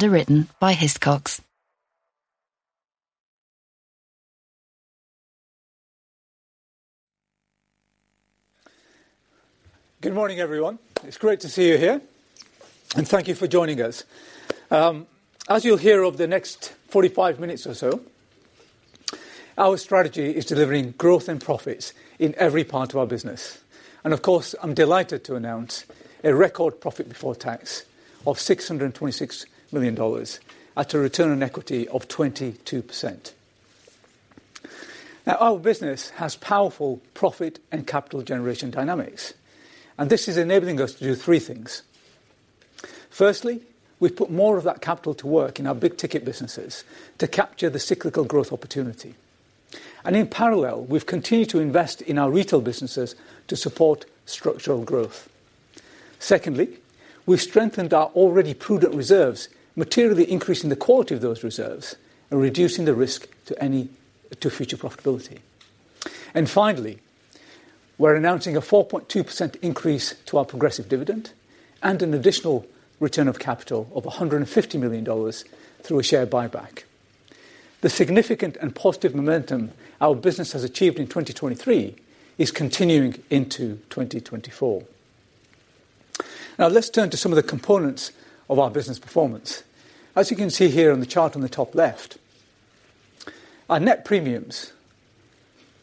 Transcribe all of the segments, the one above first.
Good morning, everyone. It's great to see you here, and thank you for joining us. As you'll hear over the next 45 minutes or so, our strategy is delivering growth and profits in every part of our business. Of course, I'm delighted to announce a record profit before tax of $626 million at a return on equity of 22%. Now, our business has powerful profit and capital generation dynamics, and this is enabling us to do three things. Firstly, we've put more of that capital to work in our big-ticket businesses to capture the cyclical growth opportunity. In parallel, we've continued to invest in our retail businesses to support structural growth. Secondly, we've strengthened our already prudent reserves, materially increasing the quality of those reserves and reducing the risk to future profitability. And finally, we're announcing a 4.2% increase to our progressive dividend and an additional return of capital of $150 million through a share buyback. The significant and positive momentum our business has achieved in 2023 is continuing into 2024. Now, let's turn to some of the components of our business performance. As you can see here on the chart on the top left, our net premiums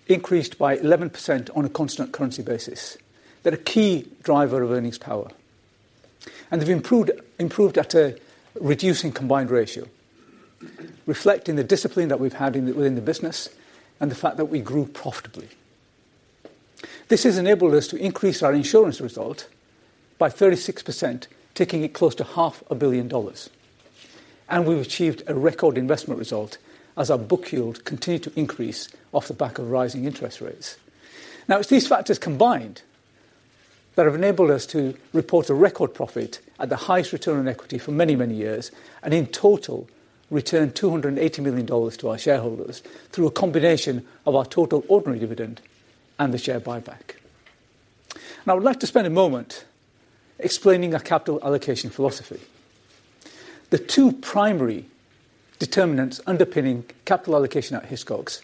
increased by 11% on a constant currency basis. They're a key driver of earnings power, and they've improved at a reducing combined ratio, reflecting the discipline that we've had within the business and the fact that we grew profitably. This has enabled us to increase our insurance result by 36%, ticking it close to $500 million. And we've achieved a record investment result as our book yield continued to increase off the back of rising interest rates. Now, it's these factors combined that have enabled us to report a record profit at the highest return on equity for many, many years, and in total return $280 million to our shareholders through a combination of our total ordinary dividend and the share buyback. Now, I would like to spend a moment explaining our capital allocation philosophy. The two primary determinants underpinning capital allocation at Hiscox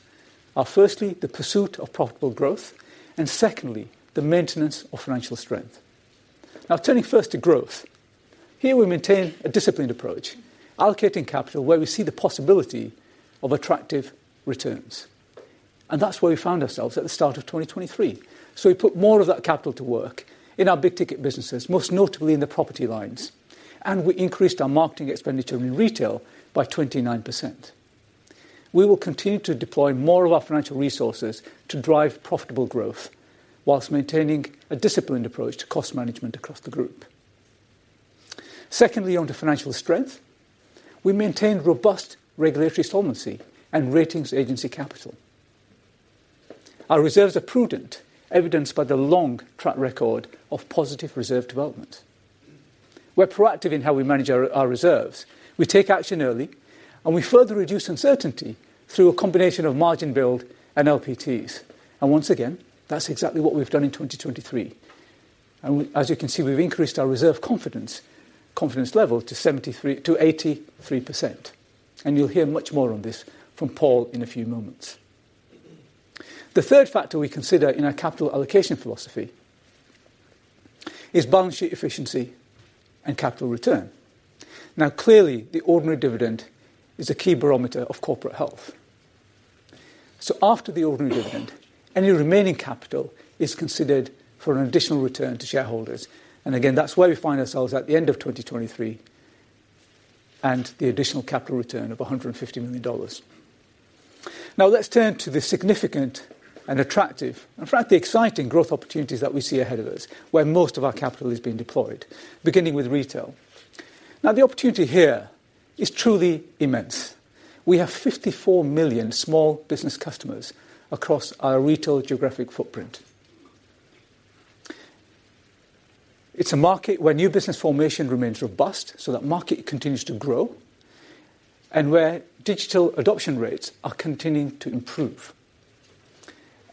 are, firstly, the pursuit of profitable growth, and secondly, the maintenance of financial strength. Now, turning first to growth, here we maintain a disciplined approach, allocating capital where we see the possibility of attractive returns. And that's where we found ourselves at the start of 2023. So we put more of that capital to work in our big-ticket businesses, most notably in the property lines, and we increased our marketing expenditure in retail by 29%. We will continue to deploy more of our financial resources to drive profitable growth while maintaining a disciplined approach to cost management across the group. Secondly, onto financial strength, we maintain robust regulatory solvency and ratings agency capital. Our reserves are prudent, evidenced by the long track record of positive reserve development. We're proactive in how we manage our reserves. We take action early, and we further reduce uncertainty through a combination of margin build and LPTs. And once again, that's exactly what we've done in 2023. And as you can see, we've increased our reserve confidence level to 83%. And you'll hear much more on this from Paul in a few moments. The third factor we consider in our capital allocation philosophy is balance sheet efficiency and capital return. Now, clearly, the ordinary dividend is a key barometer of corporate health. So after the ordinary dividend, any remaining capital is considered for an additional return to shareholders. And again, that's where we find ourselves at the end of 2023 and the additional capital return of $150 million. Now, let's turn to the significant and attractive, in fact, the exciting growth opportunities that we see ahead of us where most of our capital is being deployed, beginning with retail. Now, the opportunity here is truly immense. We have 54 million small business customers across our retail geographic footprint. It's a market where new business formation remains robust so that market continues to grow, and where digital adoption rates are continuing to improve.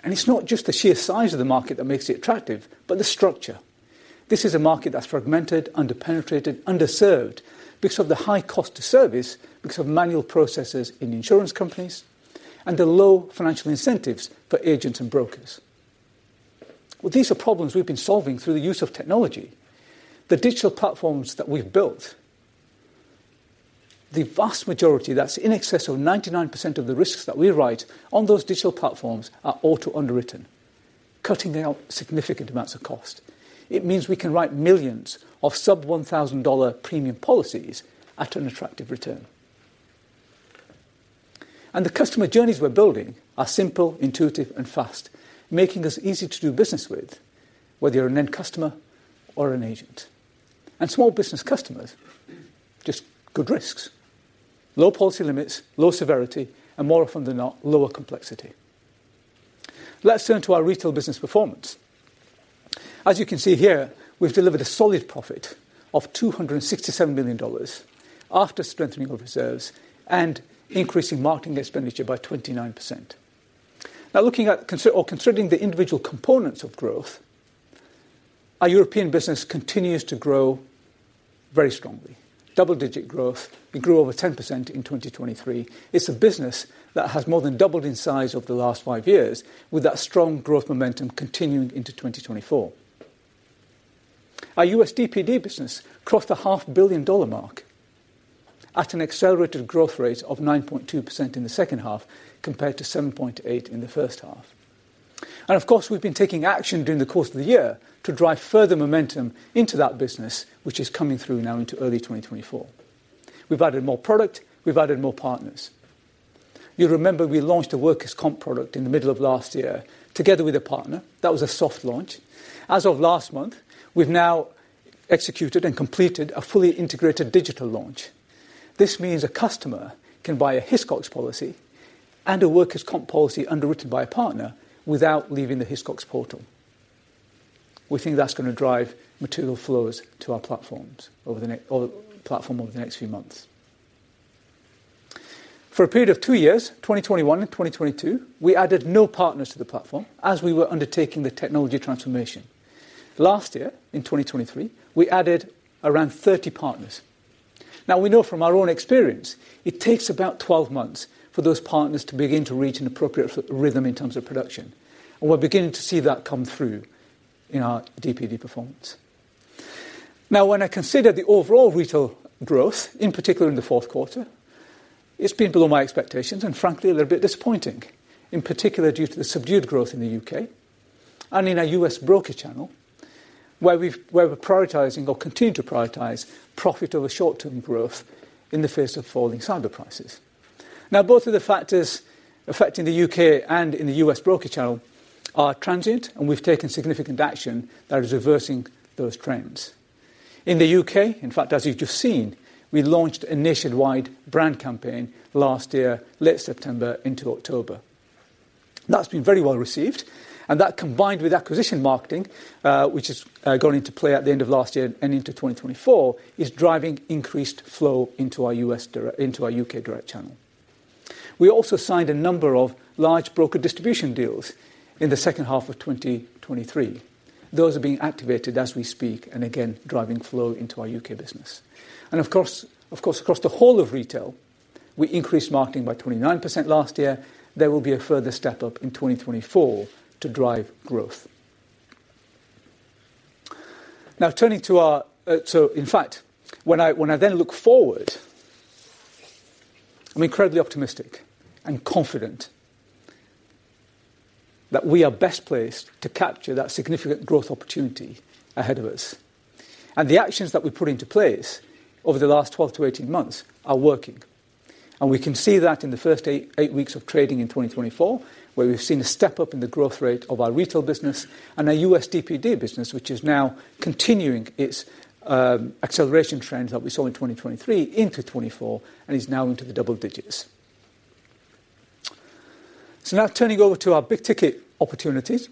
And it's not just the sheer size of the market that makes it attractive, but the structure. This is a market that's fragmented, under-penetrated, underserved because of the high cost to service, because of manual processes in insurance companies, and the low financial incentives for agents and brokers. Well, these are problems we've been solving through the use of technology. The digital platforms that we've built, the vast majority that's in excess of 99% of the risks that we write on those digital platforms are auto-underwritten, cutting out significant amounts of cost. It means we can write millions of sub-$1,000 premium policies at an attractive return. And the customer journeys we're building are simple, intuitive, and fast, making us easy to do business with, whether you're an end customer or an agent. And small business customers, just good risks: low policy limits, low severity, and more often than not, lower complexity. Let's turn to our retail business performance. As you can see here, we've delivered a solid profit of $267 million after strengthening our reserves and increasing marketing expenditure by 29%. Now, looking at or considering the individual components of growth, our European business continues to grow very strongly: double-digit growth. We grew over 10% in 2023. It's a business that has more than doubled in size over the last five years, with that strong growth momentum continuing into 2024. Our US DPD business crossed the $500 million mark at an accelerated growth rate of 9.2% in the second half compared to 7.8% in the first half. And of course, we've been taking action during the course of the year to drive further momentum into that business, which is coming through now into early 2024. We've added more product. We've added more partners. You'll remember we launched a workers' comp product in the middle of last year together with a partner. That was a soft launch. As of last month, we've now executed and completed a fully integrated digital launch. This means a customer can buy a Hiscox policy and a workers' comp policy underwritten by a partner without leaving the Hiscox portal. We think that's going to drive material flows to our platform over the next few months. For a period of two years, 2021 and 2022, we added no partners to the platform as we were undertaking the technology transformation. Last year, in 2023, we added around 30 partners. Now, we know from our own experience it takes about 12 months for those partners to begin to reach an appropriate rhythm in terms of production. And we're beginning to see that come through in our DPD performance. Now, when I consider the overall retail growth, in particular in the fourth quarter, it's been below my expectations and, frankly, a little bit disappointing, in particular due to the subdued growth in the UK and in our U.S. broker channel, where we're prioritizing or continue to prioritize profit over short-term growth in the face of falling cyber prices. Now, both of the factors affecting the UK and in the U.S. broker channel are transient, and we've taken significant action that is reversing those trends. In the UK, in fact, as you've just seen, we launched a nationwide brand campaign last year, late September into October. That's been very well received, and that, combined with acquisition marketing, which is going into play at the end of last year and into 2024, is driving increased flow into our UK Direct Channel. We also signed a number of large broker distribution deals in the second half of 2023. Those are being activated as we speak and, again, driving flow into our UK business. And of course, across the whole of retail, we increased marketing by 29% last year. There will be a further step up in 2024 to drive growth. Now, in fact, when I then look forward, I'm incredibly optimistic and confident that we are best placed to capture that significant growth opportunity ahead of us. And the actions that we put into place over the last 12-18 months are working. And we can see that in the first eight weeks of trading in 2024, where we've seen a step up in the growth rate of our retail business and our US DPD business, which is now continuing its acceleration trend that we saw in 2023 into 2024, and is now into the double digits. So now, turning over to our big-ticket opportunities.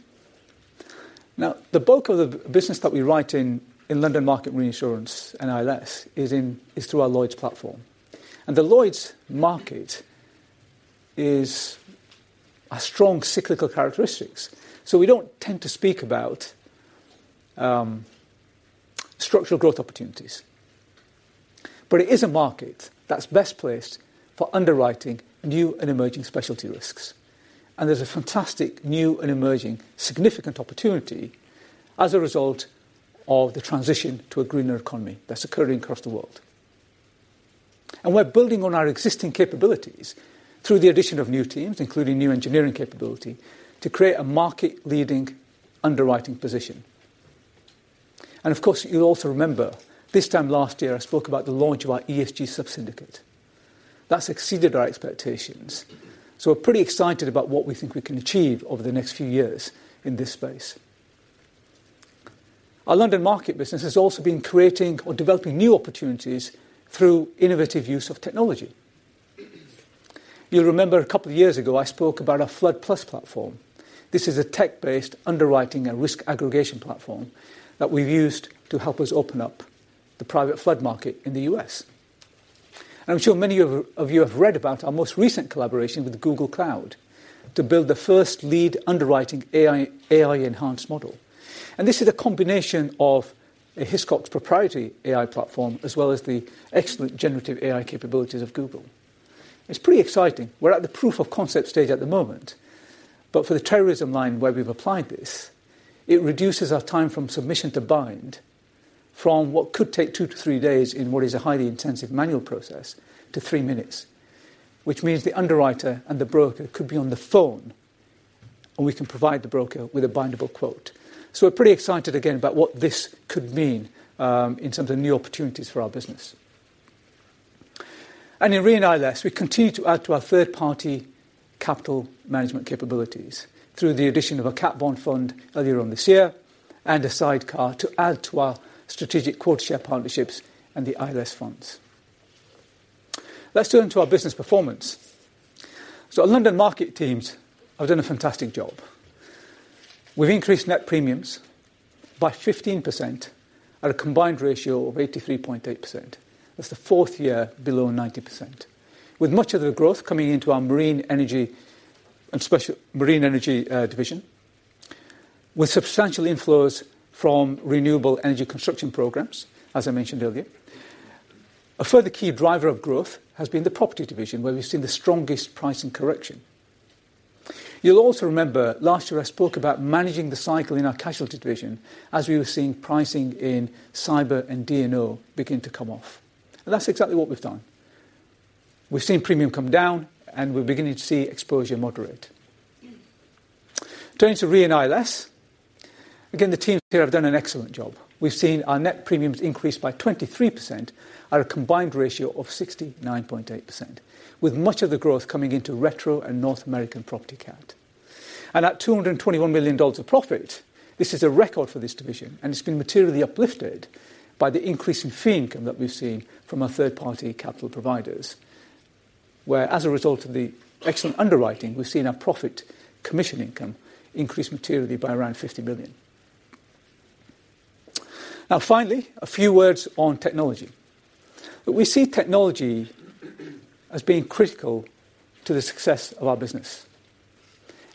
Now, the bulk of the business that we write in London Market Reinsurance and ILS is through our Lloyd's platform. And the Lloyd's market has strong cyclical characteristics. So we don't tend to speak about structural growth opportunities. But it is a market that's best placed for underwriting new and emerging specialty risks. And there's a fantastic new and emerging significant opportunity as a result of the transition to a greener economy that's occurring across the world. We're building on our existing capabilities through the addition of new teams, including new engineering capability, to create a market-leading underwriting position. Of course, you'll also remember, this time last year, I spoke about the launch of our ESG sub-syndicate. That's exceeded our expectations. We're pretty excited about what we think we can achieve over the next few years in this space. Our London Market business has also been creating or developing new opportunities through innovative use of technology. You'll remember a couple of years ago, I spoke about our FloodPlus platform. This is a tech-based underwriting and risk aggregation platform that we've used to help us open up the private flood market in the U.S. I'm sure many of you have read about our most recent collaboration with Google Cloud to build the first lead underwriting AI-enhanced model. This is a combination of a Hiscox proprietary AI platform as well as the excellent generative AI capabilities of Google. It's pretty exciting. We're at the proof-of-concept stage at the moment. But for the terrorism line where we've applied this, it reduces our time from submission to bind, from what could take two to three days in what is a highly intensive manual process, to three minutes, which means the underwriter and the broker could be on the phone, and we can provide the broker with a bindable quote. So we're pretty excited, again, about what this could mean in terms of new opportunities for our business. And in Re & ILS, we continue to add to our third-party capital management capabilities through the addition of a cat bond fund earlier on this year and a sidecar to add to our strategic quota-share partnerships and the ILS funds. Let's turn to our business performance. So our London Market teams have done a fantastic job. We've increased net premiums by 15% at a combined ratio of 83.8%. That's the fourth year below 90%, with much of the growth coming into our Marine Energy division, with substantial inflows from renewable energy construction programs, as I mentioned earlier. A further key driver of growth has been the property division, where we've seen the strongest pricing correction. You'll also remember last year I spoke about managing the cycle in our Casualty division as we were seeing pricing in cyber and D&O begin to come off. And that's exactly what we've done. We've seen premium come down, and we're beginning to see exposure moderate. Turning to Re & ILS, again, the teams here have done an excellent job. We've seen our net premiums increase by 23% at a combined ratio of 69.8%, with much of the growth coming into retro and North American Property Cat. At $221 million of profit, this is a record for this division, and it's been materially uplifted by the increase in fee income that we've seen from our third-party capital providers, where, as a result of the excellent underwriting, we've seen our profit commission income increase materially by around $50 million. Now, finally, a few words on technology. We see technology as being critical to the success of our business.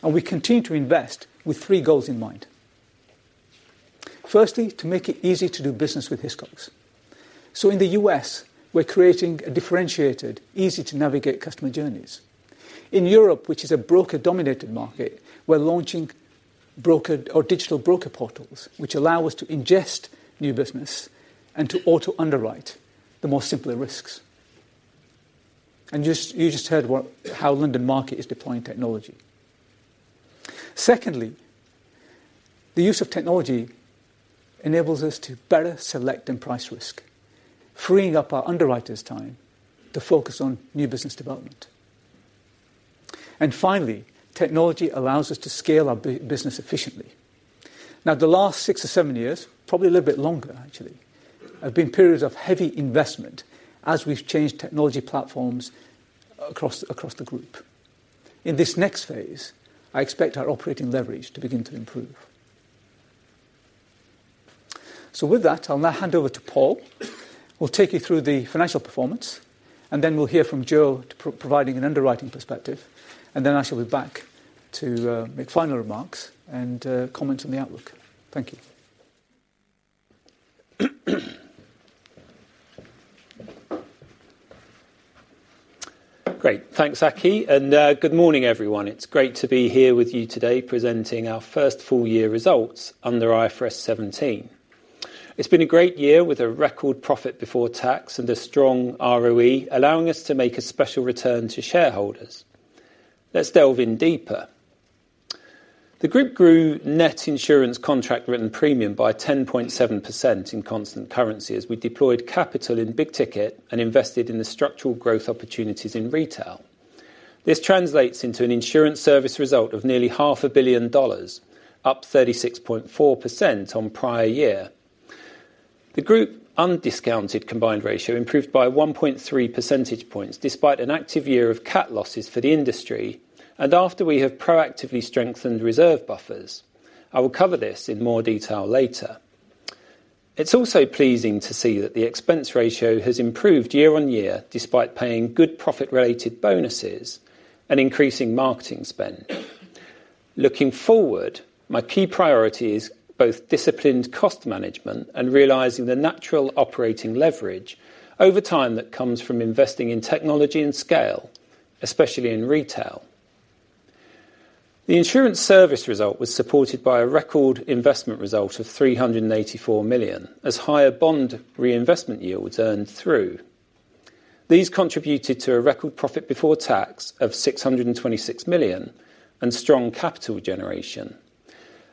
We continue to invest with three goals in mind. Firstly, to make it easy to do business with Hiscox. In the U.S., we're creating a differentiated, easy-to-navigate customer journeys. In Europe, which is a broker-dominated market, we're launching digital broker portals, which allow us to ingest new business and to auto-underwrite the more simpler risks. You just heard how London Market is deploying technology. Secondly, the use of technology enables us to better select and price risk, freeing up our underwriters' time to focus on new business development. Finally, technology allows us to scale our business efficiently. Now, the last six or seven years, probably a little bit longer, actually, have been periods of heavy investment as we've changed technology platforms across the group. In this next phase, I expect our operating leverage to begin to improve. With that, I'll now hand over to Paul. We'll take you through the financial performance, and then we'll hear from Joanne providing an underwriting perspective. Then I shall be back to make final remarks and comments on the outlook. Thank you. Great. Thanks, Aki. Good morning, everyone. It's great to be here with you today presenting our first full-year results under IFRS 17. It's been a great year with a record profit before tax and a strong ROE, allowing us to make a special return to shareholders. Let's delve in deeper. The group grew net insurance contract written premium by 10.7% in constant currency as we deployed capital in big-ticket and invested in the structural growth opportunities in retail. This translates into an insurance service result of nearly $500 million, up 36.4% on prior year. The group undiscounted combined ratio improved by 1.3 percentage points despite an active year of cat losses for the industry, and after we have proactively strengthened reserve buffers. I will cover this in more detail later. It's also pleasing to see that the expense ratio has improved year-over-year despite paying good profit-related bonuses and increasing marketing spend. Looking forward, my key priority is both disciplined cost management and realizing the natural operating leverage over time that comes from investing in technology and scale, especially in retail. The insurance service result was supported by a record investment result of $384 million as higher bond reinvestment yields earned through. These contributed to a record profit before tax of $626 million and strong capital generation.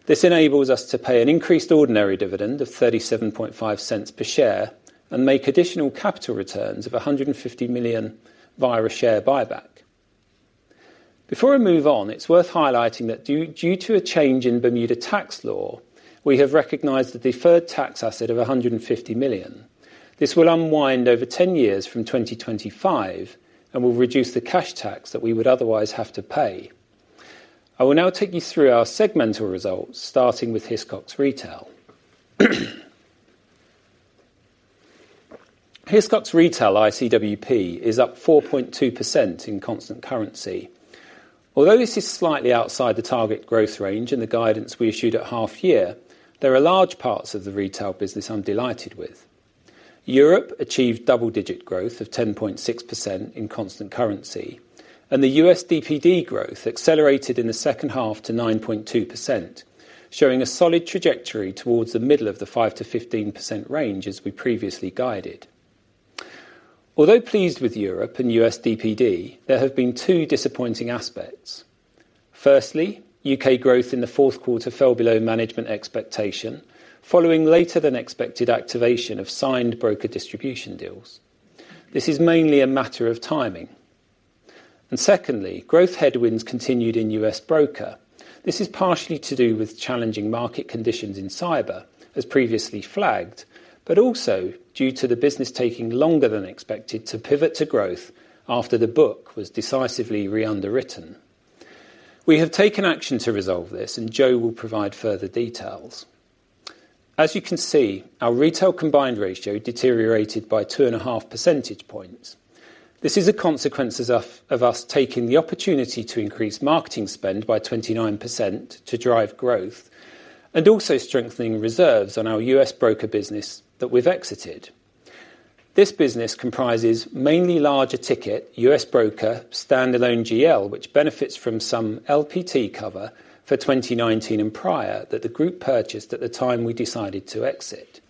This enables us to pay an increased ordinary dividend of $0.375 per share and make additional capital returns of $150 million via a share buyback. Before I move on, it's worth highlighting that due to a change in Bermuda tax law, we have recognized a deferred tax asset of $150 million. This will unwind over 10 years from 2025 and will reduce the cash tax that we would otherwise have to pay. I will now take you through our segmental results, starting with Hiscox Retail. Hiscox Retail ICWP is up 4.2% in constant currency. Although this is slightly outside the target growth range and the guidance we issued at half-year, there are large parts of the retail business I'm delighted with. Europe achieved double-digit growth of 10.6% in constant currency, and the US DPD growth accelerated in the second half to 9.2%, showing a solid trajectory towards the middle of the 5%-15% range as we previously guided. Although pleased with Europe and US DPD, there have been two disappointing aspects. Firstly, UK growth in the fourth quarter fell below management expectation, following later-than-expected activation of signed broker distribution deals. This is mainly a matter of timing. And secondly, growth headwinds continued in U.S. broker. This is partially to do with challenging market conditions in cyber, as previously flagged, but also due to the business taking longer than expected to pivot to growth after the book was decisively re-underwritten. We have taken action to resolve this, and Jo will provide further details. As you can see, our retail combined ratio deteriorated by 2.5 percentage points. This is a consequence of us taking the opportunity to increase marketing spend by 29% to drive growth, and also strengthening reserves on our U.S. broker business that we've exited. This business comprises mainly larger-ticket U.S. broker standalone GL, which benefits from some LPT cover for 2019 and prior that the group purchased at the time we decided to exit.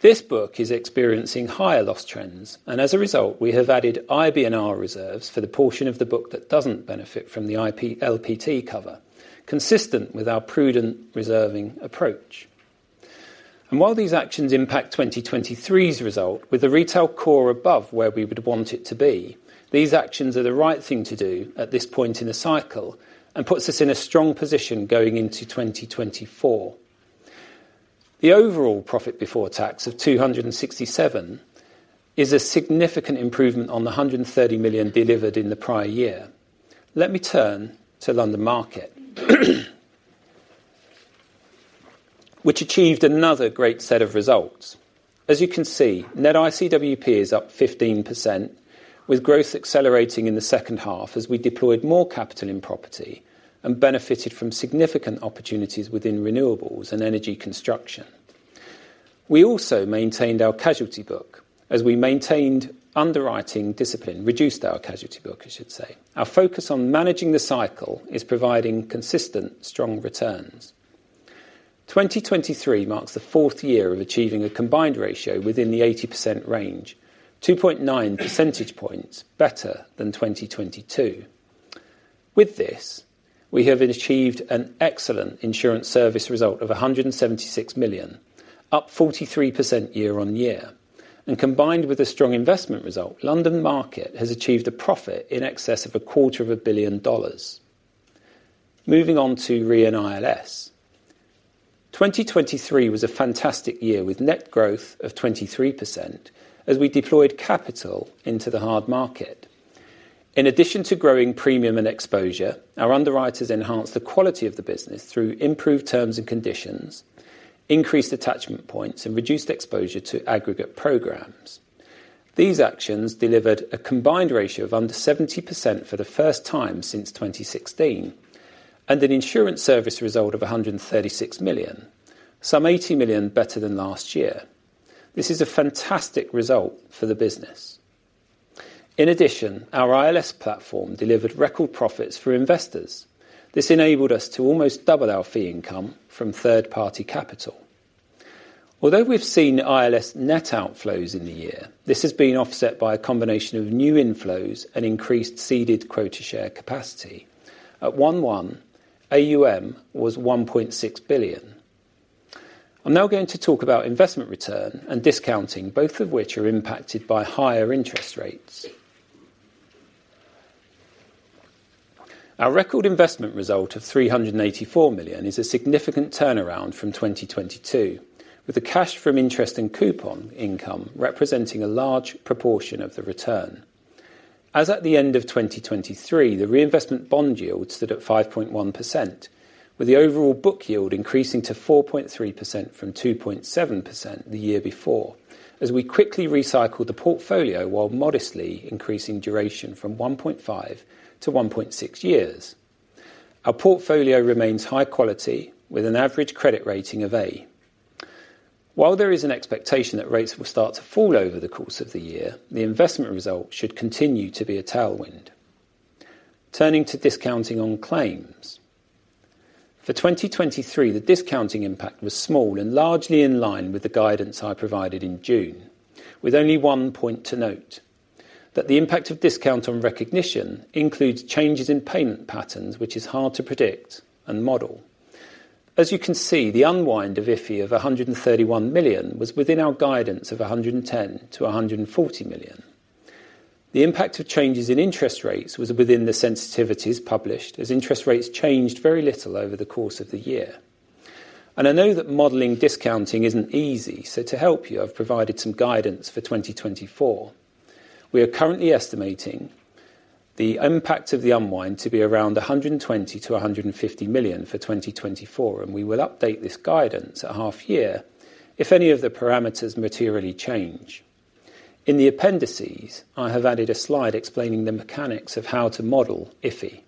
This book is experiencing higher loss trends, and as a result, we have added IBNR reserves for the portion of the book that doesn't benefit from the LPT cover, consistent with our prudent reserving approach. While these actions impact 2023's result with the retail core above where we would want it to be, these actions are the right thing to do at this point in the cycle and put us in a strong position going into 2024. The overall profit before tax of $267 million is a significant improvement on the $130 million delivered in the prior year. Let me turn to London Market, which achieved another great set of results. As you can see, net ICWP is up 15%, with growth accelerating in the second half as we deployed more capital in property and benefited from significant opportunities within renewables and energy construction. We also maintained our Casualty book as we maintained underwriting discipline, reduced our Casualty book, I should say. Our focus on managing the cycle is providing consistent, strong returns. 2023 marks the fourth year of achieving a Combined Ratio within the 80% range, 2.9 percentage points better than 2022. With this, we have achieved an excellent insurance service result of $176 million, up 43% year-on-year. Combined with a strong investment result, London Market has achieved a profit in excess of $250 million. Moving on to Re & ILS. 2023 was a fantastic year with net growth of 23% as we deployed capital into the hard market. In addition to growing premium and exposure, our underwriters enhanced the quality of the business through improved terms and conditions, increased attachment points, and reduced exposure to aggregate programs. These actions delivered a Combined Ratio of under 70% for the first time since 2016, and an insurance service result of $136 million, some $80 million better than last year. This is a fantastic result for the business. In addition, our ILS platform delivered record profits for investors. This enabled us to almost double our fee income from third-party capital. Although we've seen ILS net outflows in the year, this has been offset by a combination of new inflows and increased ceded quota-share capacity. At 1/1, AUM was $1.6 billion. I'm now going to talk about investment return and discounting, both of which are impacted by higher interest rates. Our record investment result of $384 million is a significant turnaround from 2022, with the cash from interest and coupon income representing a large proportion of the return. As at the end of 2023, the reinvestment bond yield stood at 5.1%, with the overall book yield increasing to 4.3% from 2.7% the year before as we quickly recycled the portfolio while modestly increasing duration from 1.5-1.6 years. Our portfolio remains high quality, with an average credit rating of A. While there is an expectation that rates will start to fall over the course of the year, the investment result should continue to be a tailwind. Turning to discounting on claims. For 2023, the discounting impact was small and largely in line with the guidance I provided in June, with only one point to note. That the impact of discount on recognition includes changes in payment patterns, which is hard to predict and model. As you can see, the unwind of IFI of $131 million was within our guidance of $110-$140 million. The impact of changes in interest rates was within the sensitivities published, as interest rates changed very little over the course of the year. I know that modeling discounting isn't easy, so to help you, I've provided some guidance for 2024. We are currently estimating the impact of the unwind to be around $120-$150 million for 2024, and we will update this guidance at half-year if any of the parameters materially change. In the appendices, I have added a slide explaining the mechanics of how to model IFI.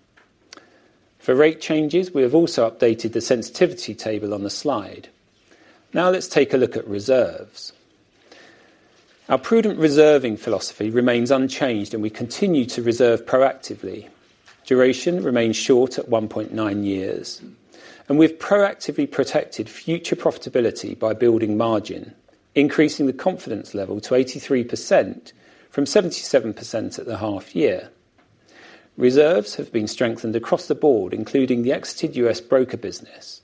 For rate changes, we have also updated the sensitivity table on the slide. Now let's take a look at reserves. Our prudent reserving philosophy remains unchanged, and we continue to reserve proactively. Duration remains short at 1.9 years. We've proactively protected future profitability by building margin, increasing the confidence level to 83% from 77% at the half-year. Reserves have been strengthened across the board, including the exited US Broker business,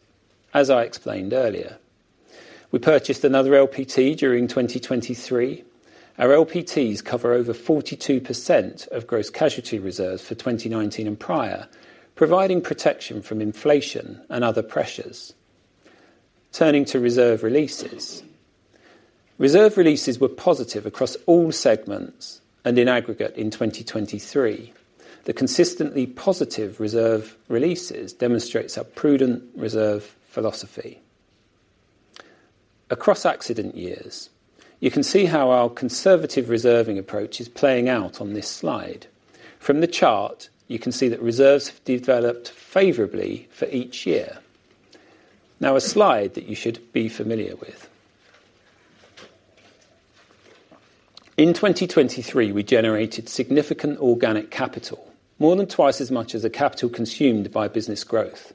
as I explained earlier. We purchased another LPT during 2023. Our LPTs cover over 42% of gross casualty reserves for 2019 and prior, providing protection from inflation and other pressures. Turning to reserve releases. Reserve releases were positive across all segments and in aggregate in 2023. The consistently positive reserve releases demonstrate our prudent reserve philosophy. Across accident years, you can see how our conservative reserving approach is playing out on this slide. From the chart, you can see that reserves have developed favorably for each year. Now a slide that you should be familiar with. In 2023, we generated significant organic capital, more than twice as much as the capital consumed by business growth.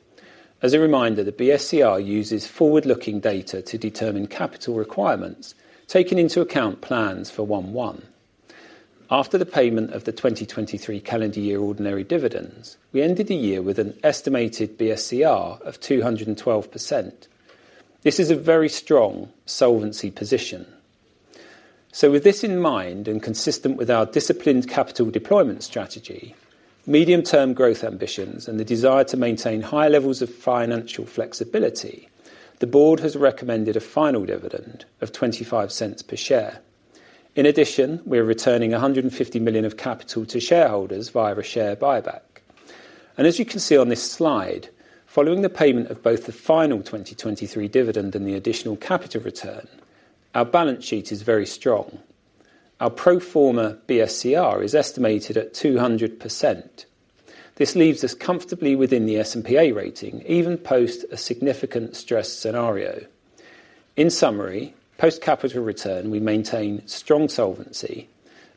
As a reminder, the BSCR uses forward-looking data to determine capital requirements, taking into account plans for 1/1. After the payment of the 2023 calendar year ordinary dividends, we ended the year with an estimated BSCR of 212%. This is a very strong solvency position. With this in mind and consistent with our disciplined capital deployment strategy, medium-term growth ambitions, and the desire to maintain higher levels of financial flexibility, the board has recommended a final dividend of $0.25 per share. In addition, we are returning $150 million of capital to shareholders via a share buyback. As you can see on this slide, following the payment of both the final 2023 dividend and the additional capital return, our balance sheet is very strong. Our pro forma BSCR is estimated at 200%. This leaves us comfortably within the S&P rating, even post a significant stress scenario. In summary, post-capital return, we maintain strong solvency,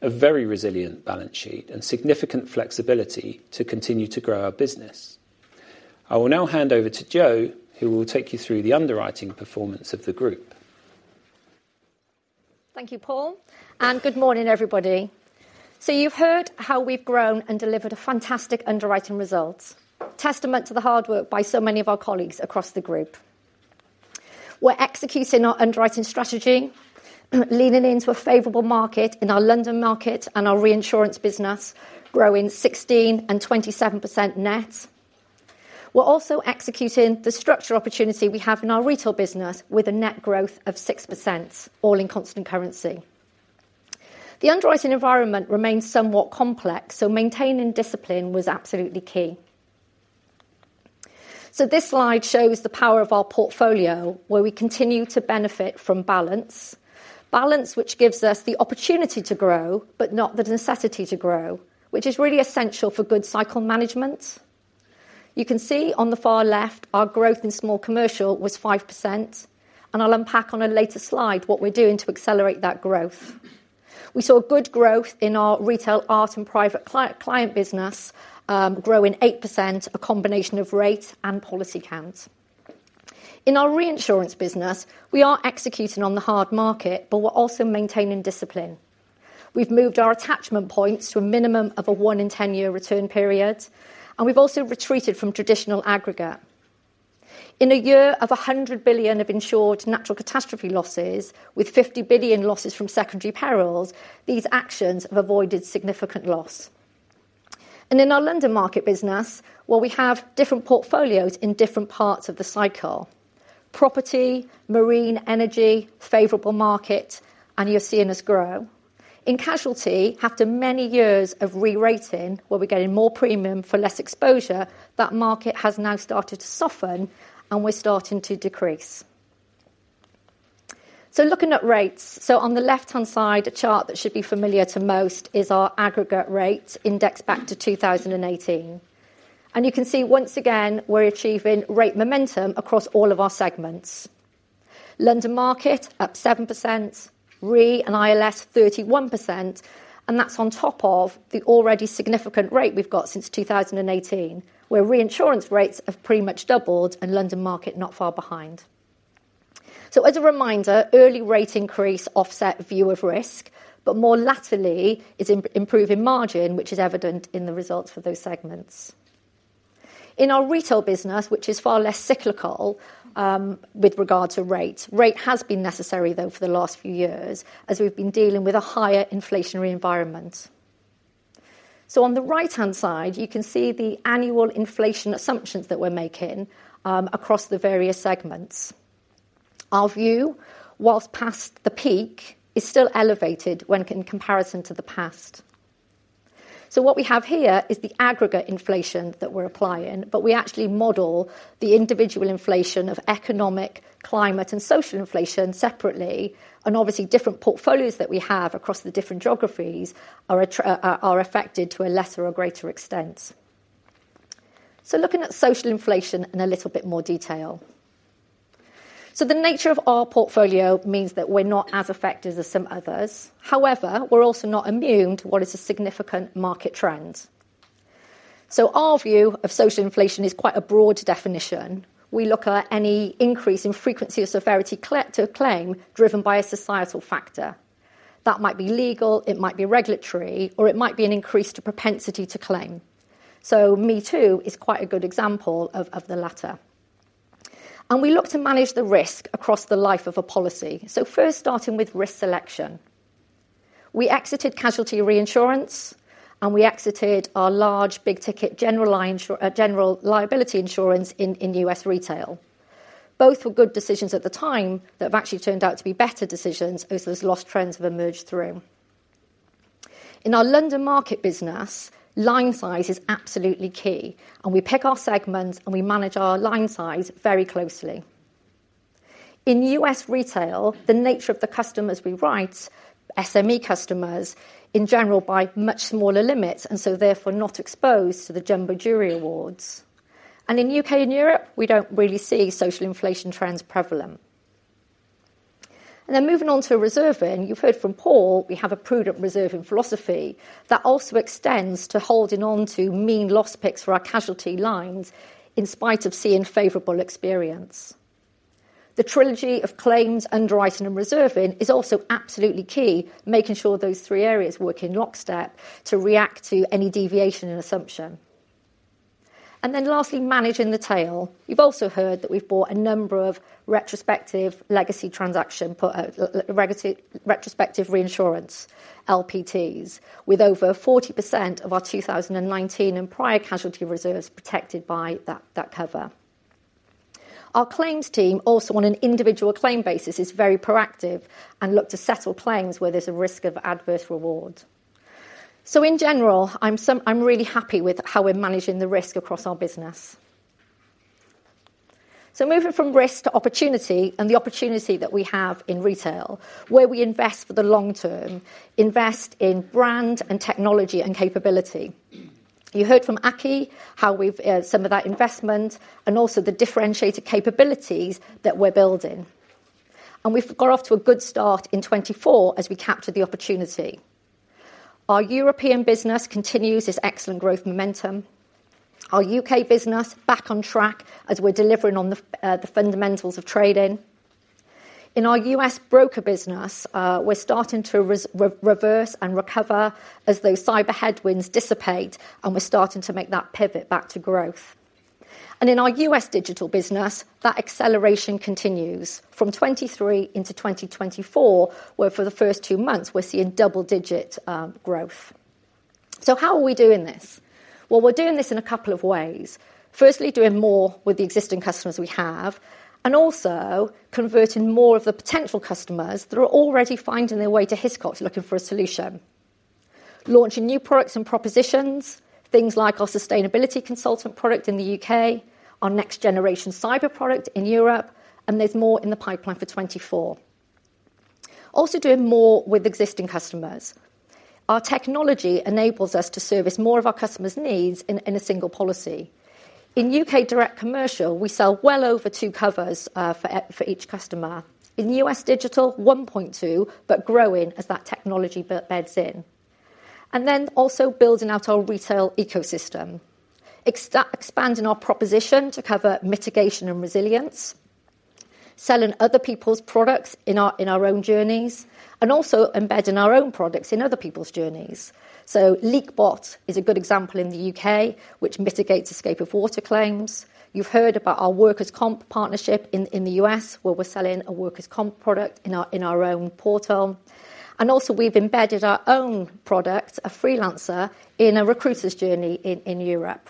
a very resilient balance sheet, and significant flexibility to continue to grow our business. I will now hand over to Jo, who will take you through the underwriting performance of the group. Thank you, Paul. Good morning, everybody. So you've heard how we've grown and delivered a fantastic underwriting result, testament to the hard work by so many of our colleagues across the group. We're executing our underwriting strategy, leaning into a favorable market in our London Market and our reinsurance business, growing 16% and 27% net. We're also executing the structure opportunity we have in our retail business with a net growth of 6%, all in constant currency. The underwriting environment remains somewhat complex, so maintaining discipline was absolutely key. So this slide shows the power of our portfolio, where we continue to benefit from balance. Balance, which gives us the opportunity to grow, but not the necessity to grow, which is really essential for good cycle management. You can see on the far left, our growth in small commercial was 5%, and I'll unpack on a later slide what we're doing to accelerate that growth. We saw good growth in our Retail Art and Private Client business growing 8%, a combination of rate and policy count. In our reinsurance business, we are executing on the hard market, but we're also maintaining discipline. We've moved our attachment points to a minimum of a 1 in 10-year return period, and we've also retreated from traditional aggregate. In a year of $100 billion of insured natural catastrophe losses, with $50 billion losses from secondary perils, these actions have avoided significant loss. In our London Market business, where we have different portfolios in different parts of the cycle: property, Marine Energy, favorable market, and you're seeing us grow. In Casualty, after many years of re-rating, where we're getting more premium for less exposure, that market has now started to soften, and we're starting to decrease. So looking at rates, so on the left-hand side, a chart that should be familiar to most is our aggregate rate indexed back to 2018. And you can see once again, we're achieving rate momentum across all of our segments. London Market up 7%, Re & ILS 31%, and that's on top of the already significant rate we've got since 2018, where reinsurance rates have pretty much doubled and London Market not far behind. So as a reminder, early rate increase offset view of risk, but more latterly is improving margin, which is evident in the results for those segments. In our retail business, which is far less cyclical with regard to rate, rate has been necessary, though, for the last few years as we've been dealing with a higher inflationary environment. So on the right-hand side, you can see the annual inflation assumptions that we're making across the various segments. Our view, whilst past the peak, is still elevated when in comparison to the past. So what we have here is the aggregate inflation that we're applying, but we actually model the individual inflation of economic, climate, and social inflation separately. Obviously, different portfolios that we have across the different geographies are affected to a lesser or greater extent. Looking at social inflation in a little bit more detail. The nature of our portfolio means that we're not as affected as some others. However, we're also not immune to what is a significant market trend. Our view of social inflation is quite a broad definition. We look at any increase in frequency or severity to a claim driven by a societal factor. That might be legal, it might be regulatory, or it might be an increase to propensity to claim. Me Too is quite a good example of the latter. We look to manage the risk across the life of a policy. First, starting with risk selection. We exited Casualty reinsurance, and we exited our large big-ticket general liability insurance in U.S. retail. Both were good decisions at the time that have actually turned out to be better decisions as those loss trends have emerged through. In our London Market business, line size is absolutely key, and we pick our segments, and we manage our line size very closely. In U.S. retail, the nature of the customers we write, SME customers, in general buy much smaller limits and so therefore not exposed to the Jumbo Jury Awards. In the UK and Europe, we don't really see social inflation trends prevalent. Then moving on to reserving, you've heard from Paul, we have a prudent reserving philosophy that also extends to holding onto mean loss picks for our Casualty lines in spite of seeing favorable experience. The trilogy of claims, underwriting, and reserving is also absolutely key, making sure those three areas work in lockstep to react to any deviation in assumption. Then lastly, managing the tail. You've also heard that we've bought a number of retrospective legacy transaction retrospective reinsurance LPTs, with over 40% of our 2019 and prior Casualty reserves protected by that cover. Our claims team, also on an individual claim basis, is very proactive and looks to settle claims where there's a risk of adverse award. So in general, I'm really happy with how we're managing the risk across our business. So moving from risk to opportunity and the opportunity that we have in retail, where we invest for the long term, invest in brand and technology and capability. You heard from Aki how we've some of that investment and also the differentiated capabilities that we're building. And we've got off to a good start in 2024 as we captured the opportunity. Our European business continues this excellent growth momentum. Our UK business, back on track as we're delivering on the fundamentals of trading. In our US Broker business, we're starting to reverse and recover as those cyber headwinds dissipate, and we're starting to make that pivot back to growth. And in our US Digital business, that acceleration continues. From 2023 into 2024, where for the first two months, we're seeing double-digit growth. So how are we doing this? Well, we're doing this in a couple of ways. Firstly, doing more with the existing customers we have, and also converting more of the potential customers that are already finding their way to Hiscox looking for a solution. Launching new products and propositions, things like our sustainability consultant product in the UK, our next-generation cyber product in Europe, and there's more in the pipeline for 2024. Also doing more with existing customers. Our technology enables us to service more of our customers' needs in a single policy. In UK direct commercial, we sell well over two covers for each customer. In US Digital, 1.2, but growing as that technology beds in. And then also building out our retail ecosystem. Expanding our proposition to cover mitigation and resilience. Selling other people's products in our own journeys, and also embedding our own products in other people's journeys. So LeakBot is a good example in the UK, which mitigates escape of water claims. You've heard about our workers' comp partnership in the U.S., where we're selling a workers' comp product in our own portal. And also, we've embedded our own product, a freelancer, in a recruiter's journey in Europe.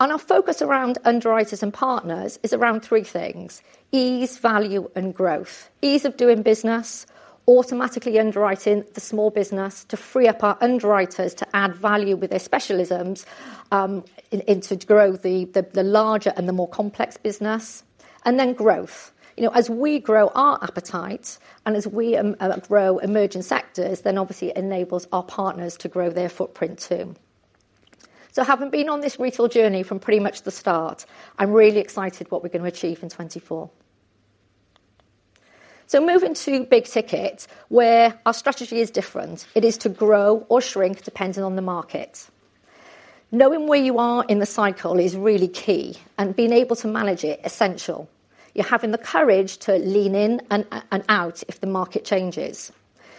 And our focus around underwriters and partners is around three things: ease, value, and growth. Ease of doing business, automatically underwriting the small business to free up our underwriters to add value with their specialisms to grow the larger and the more complex business. And then growth. As we grow our appetite and as we grow emerging sectors, then obviously, it enables our partners to grow their footprint too. So having been on this retail journey from pretty much the start, I'm really excited what we're going to achieve in 2024. So moving to big ticket, where our strategy is different, it is to grow or shrink depending on the market. Knowing where you are in the cycle is really key, and being able to manage it is essential. You're having the courage to lean in and out if the market changes.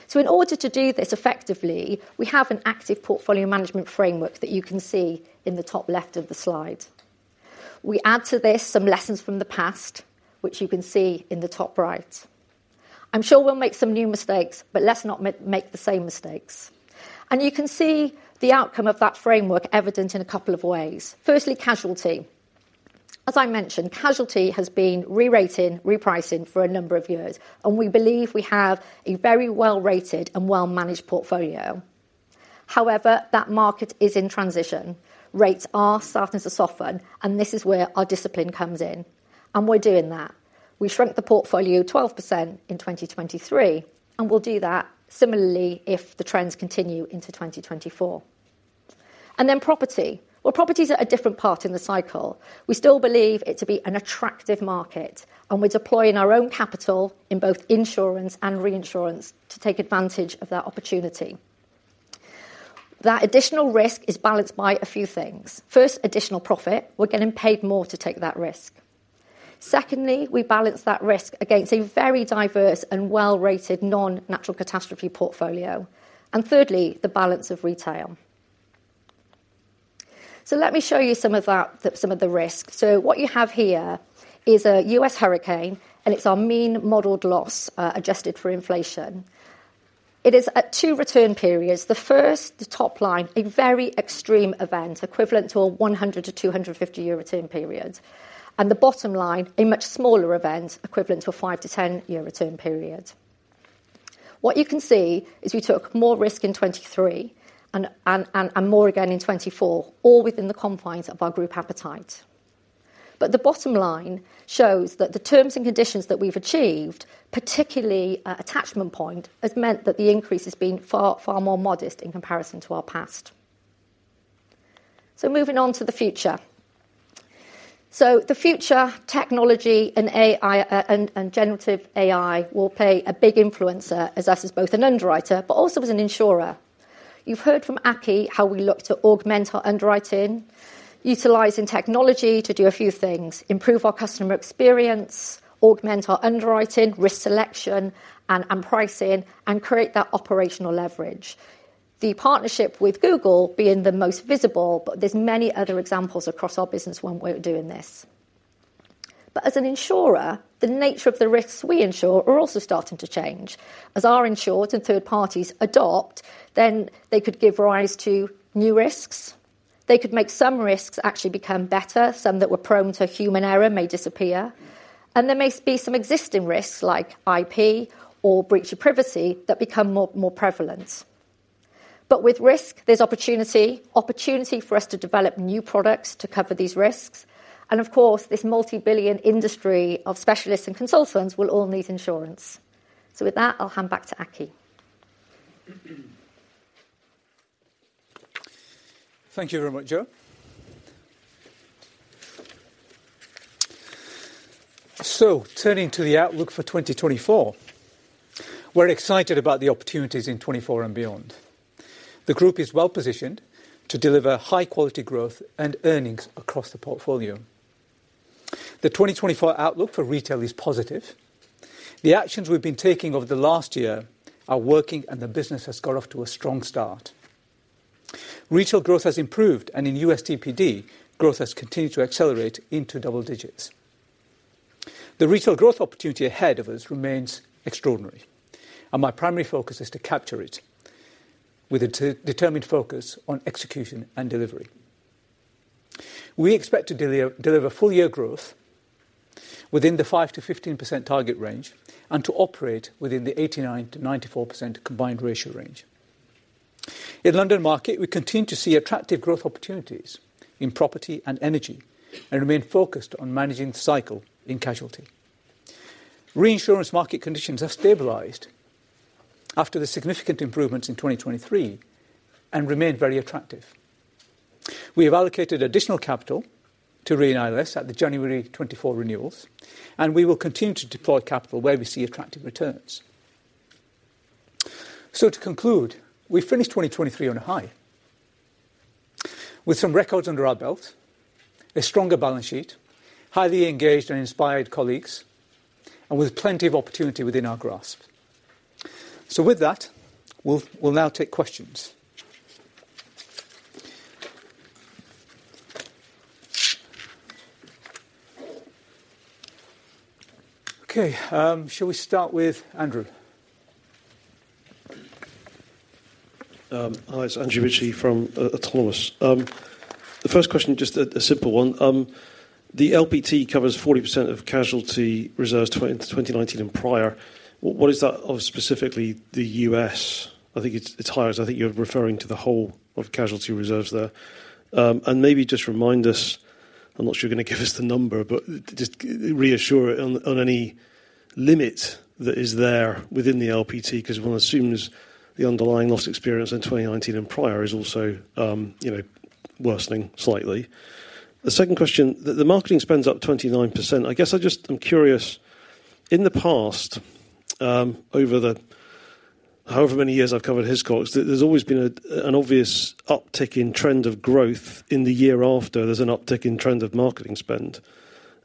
So in order to do this effectively, we have an active portfolio management framework that you can see in the top left of the slide. We add to this some lessons from the past, which you can see in the top right. I'm sure we'll make some new mistakes, but let's not make the same mistakes. And you can see the outcome of that framework evident in a couple of ways. Firstly, casualty. As I mentioned, Casualty has been re-rating, repricing for a number of years, and we believe we have a very well-rated and well-managed portfolio. However, that market is in transition. Rates are starting to soften, and this is where our discipline comes in. We're doing that. We shrunk the portfolio 12% in 2023, and we'll do that similarly if the trends continue into 2024. Then, property. Well, properties are a different part in the cycle. We still believe it to be an attractive market, and we're deploying our own capital in both insurance and reinsurance to take advantage of that opportunity. That additional risk is balanced by a few things. First, additional profit. We're getting paid more to take that risk. Secondly, we balance that risk against a very diverse and well-rated non-natural catastrophe portfolio. Thirdly, the balance of retail. So let me show you some of the risks. So what you have here is a U.S. hurricane, and it's our mean modeled loss adjusted for inflation. It is at two return periods. The first, the top line, a very extreme event, equivalent to a 100-250-year return period. And the bottom line, a much smaller event, equivalent to a 5-10-year return period. What you can see is we took more risk in 2023 and more again in 2024, all within the confines of our group appetite. But the bottom line shows that the terms and conditions that we've achieved, particularly attachment point, has meant that the increase has been far, far more modest in comparison to our past. So moving on to the future. So the future, technology, and generative AI will play a big influence on us as both an underwriter, but also as an insurer. You've heard from Aki how we look to augment our underwriting, utilizing technology to do a few things, improve our customer experience, augment our underwriting, risk selection and pricing, and create that operational leverage. The partnership with Google being the most visible, but there's many other examples across our business when we're doing this. But as an insurer, the nature of the risks we insure are also starting to change. As our insureds and third parties adopt, then they could give rise to new risks. They could make some risks actually become better, some that were prone to human error may disappear. And there may be some existing risks like IP or breach of privacy that become more prevalent. But with risk, there's opportunity, opportunity for us to develop new products to cover these risks. And of course, this multi-billion industry of specialists and consultants will all need insurance. So with that, I'll hand back to Aki. Thank you very much, Joanne. Turning to the outlook for 2024, we're excited about the opportunities in 2024 and beyond. The group is well-positioned to deliver high-quality growth and earnings across the portfolio. The 2024 outlook for retail is positive. The actions we've been taking over the last year are working, and the business has got off to a strong start. Retail growth has improved, and in US DPD, growth has continued to accelerate into double digits. The retail growth opportunity ahead of us remains extraordinary, and my primary focus is to capture it with a determined focus on execution and delivery. We expect to deliver full-year growth within the 5%-15% target range and to operate within the 89%-94% combined ratio range. In the London Market, we continue to see attractive growth opportunities in property and energy and remain focused on managing the cycle in Casualty. Reinsurance market conditions have stabilized after the significant improvements in 2023 and remain very attractive. We have allocated additional capital to Re and ILS at the January 2024 renewals, and we will continue to deploy capital where we see attractive returns. So to conclude, we finished 2023 on a high with some records under our belts, a stronger balance sheet, highly engaged and inspired colleagues, and with plenty of opportunity within our grasp. So with that, we'll now take questions. Okay, shall we start with Andrew? Hi, it's Andrew Ritchie from Autonomous. The first question, just a simple one. The LPT covers 40% of casualty reserves 2019 and prior. What is that of specifically the U.S.? I think it's higher. I think you're referring to the whole of casualty reserves there. And maybe just remind us, I'm not sure you're going to give us the number, but just reassure on any limit that is there within the LPT, because one assumes the underlying loss experience in 2019 and prior is also worsening slightly. The second question, the marketing spends up 29%. I guess I'm curious, in the past, over however many years I've covered Hiscox, there's always been an obvious uptick in trend of growth in the year after there's an uptick in trend of marketing spend.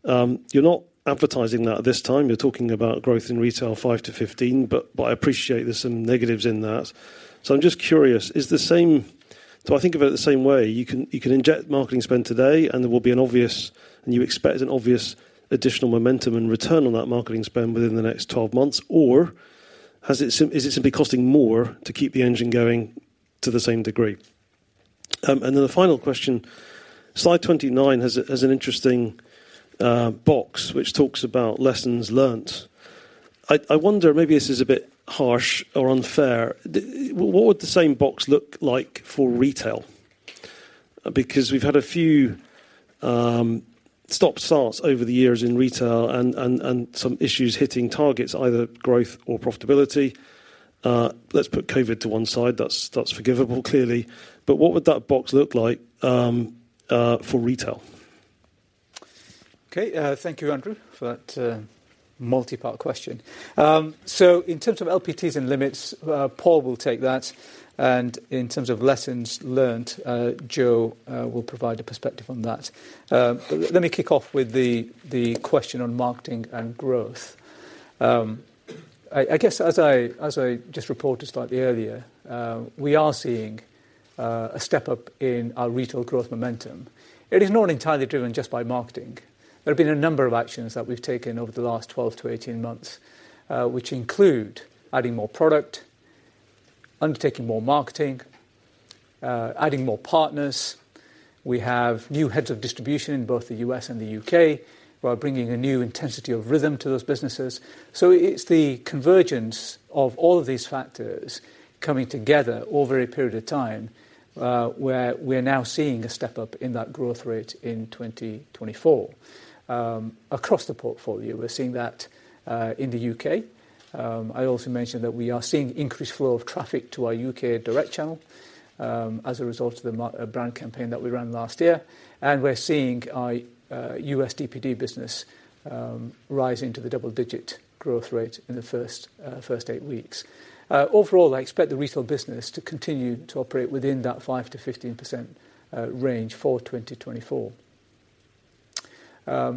You're not advertising that at this time. You're talking about growth in retail 5%-15%, but I appreciate there's some negatives in that. So I'm just curious, do I think of it the same way? You can inject marketing spend today, and there will be an obvious, and you expect an obvious additional momentum and return on that marketing spend within the next 12 months, or is it simply costing more to keep the engine going to the same degree? And then the final question, slide 29 has an interesting box which talks about lessons learned. I wonder, maybe this is a bit harsh or unfair, what would the same box look like for retail? Because we've had a few stop-starts over the years in retail and some issues hitting targets, either growth or profitability. Let's put COVID to one side. That's forgivable, clearly. But what would that box look like for retail? Okay, thank you, Andrew, for that multi-part question. In terms of LPTs and limits, Paul will take that. In terms of lessons learnt, Jo will provide a perspective on that. Let me kick off with the question on marketing and growth. I guess, as I just reported slightly earlier, we are seeing a step up in our retail growth momentum. It is not entirely driven just by marketing. There have been a number of actions that we've taken over the last 12-18 months, which include adding more product, undertaking more marketing, adding more partners. We have new heads of distribution in both the U.S. and the UK, who are bringing a new intensity of rhythm to those businesses. So it's the convergence of all of these factors coming together over a period of time where we are now seeing a step up in that growth rate in 2024. Across the portfolio, we're seeing that in the UK I also mentioned that we are seeing increased flow of traffic to our UK Direct Channel as a result of the brand campaign that we ran last year. And we're seeing our U.S. DPD business rise into the double-digit growth rate in the first eight weeks. Overall, I expect the retail business to continue to operate within that 5%-15% range for 2024.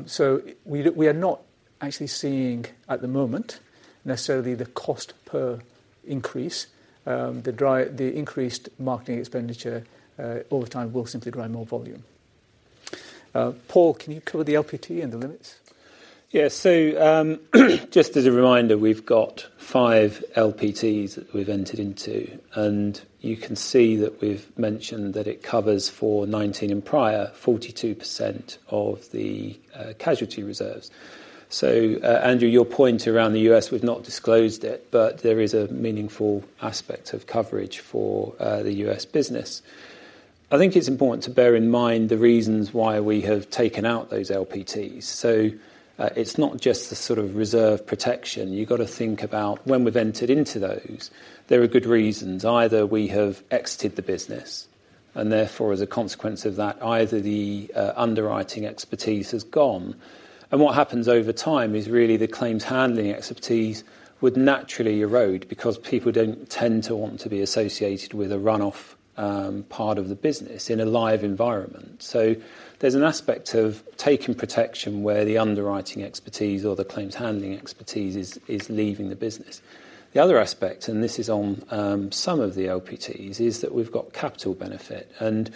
So we are not actually seeing at the moment necessarily the cost per increase. The increased marketing expenditure over time will simply drive more volume. Paul, can you cover the LPT and the limits? Yeah, so just as a reminder, we've got five LPTs that we've entered into. You can see that we've mentioned that it covers for 2019 and prior, 42% of the casualty reserves. Andrew, your point around the US, we've not disclosed it, but there is a meaningful aspect of coverage for the US business. I think it's important to bear in mind the reasons why we have taken out those LPTs. It's not just the sort of reserve protection. You've got to think about when we've entered into those, there are good reasons. Either we have exited the business, and therefore, as a consequence of that, either the underwriting expertise has gone. What happens over time is really the claims handling expertise would naturally erode because people don't tend to want to be associated with a run-off part of the business in a live environment. So there's an aspect of taking protection where the underwriting expertise or the claims handling expertise is leaving the business. The other aspect, and this is on some of the LPTs, is that we've got capital benefit. And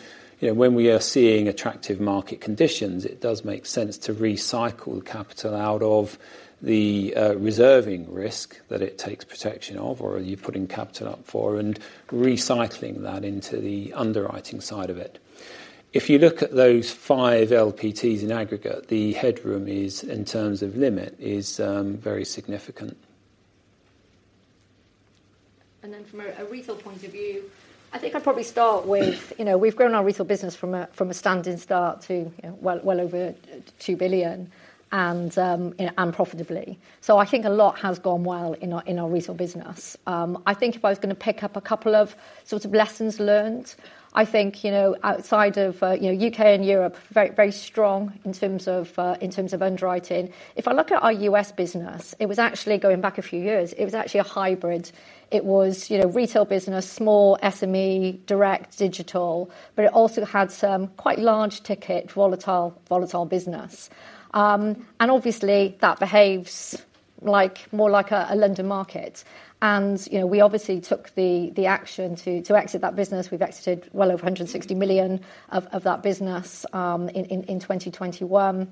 when we are seeing attractive market conditions, it does make sense to recycle capital out of the reserving risk that it takes protection of, or you're putting capital up for, and recycling that into the underwriting side of it. If you look at those five LPTs in aggregate, the headroom in terms of limit is very significant. Then from a retail point of view, I think I'd probably start with we've grown our retail business from a standing start to well over $2 billion and profitably. So I think a lot has gone well in our retail business. I think if I was going to pick up a couple of sort of lessons learned, I think outside of UK and Europe, very strong in terms of underwriting. If I look at our U.S. business, it was actually going back a few years. It was actually a hybrid. It was retail business, small SME, direct, digital, but it also had some quite large-ticket, volatile business. And obviously, that behaves more like a London Market. And we obviously took the action to exit that business. We've exited well over $160 million of that business in 2021.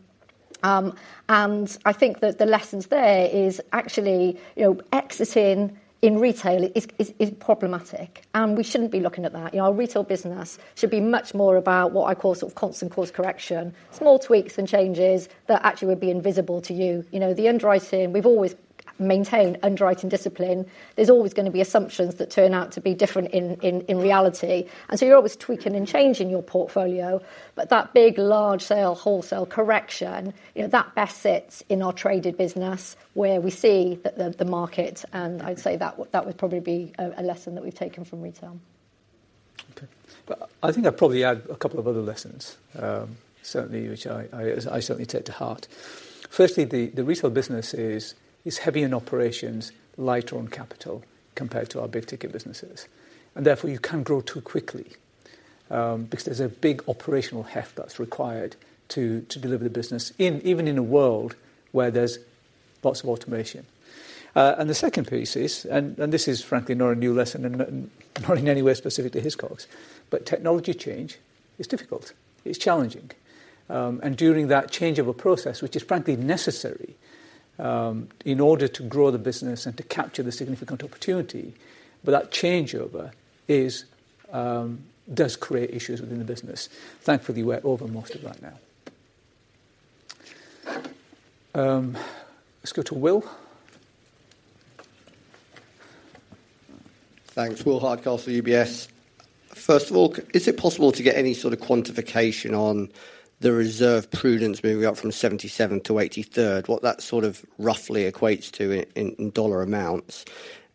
I think that the lessons there is actually exiting in retail is problematic. We shouldn't be looking at that. Our retail business should be much more about what I call sort of constant course correction, small tweaks and changes that actually would be invisible to you. The underwriting, we've always maintained underwriting discipline. There's always going to be assumptions that turn out to be different in reality. So you're always tweaking and changing your portfolio. But that big large-scale, wholesale correction, that best sits in our traded business where we see the market. I'd say that would probably be a lesson that we've taken from retail. Okay, I think I'd probably add a couple of other lessons, certainly, which I certainly take to heart. Firstly, the retail business is heavy in operations, lighter on capital compared to our big-ticket businesses. And therefore, you can grow too quickly because there's a big operational heft that's required to deliver the business, even in a world where there's lots of automation. And the second piece is, and this is frankly not a new lesson, not in any way specific to Hiscox, but technology change is difficult. It's challenging. And during that changeover process, which is frankly necessary in order to grow the business and to capture the significant opportunity, but that changeover does create issues within the business. Thankfully, we're over most of that now. Let's go to Will. Thanks, Will Hardcastle for UBS. First of all, is it possible to get any sort of quantification on the reserve prudence moving up from 77-83rd, what that sort of roughly equates to in dollar amounts?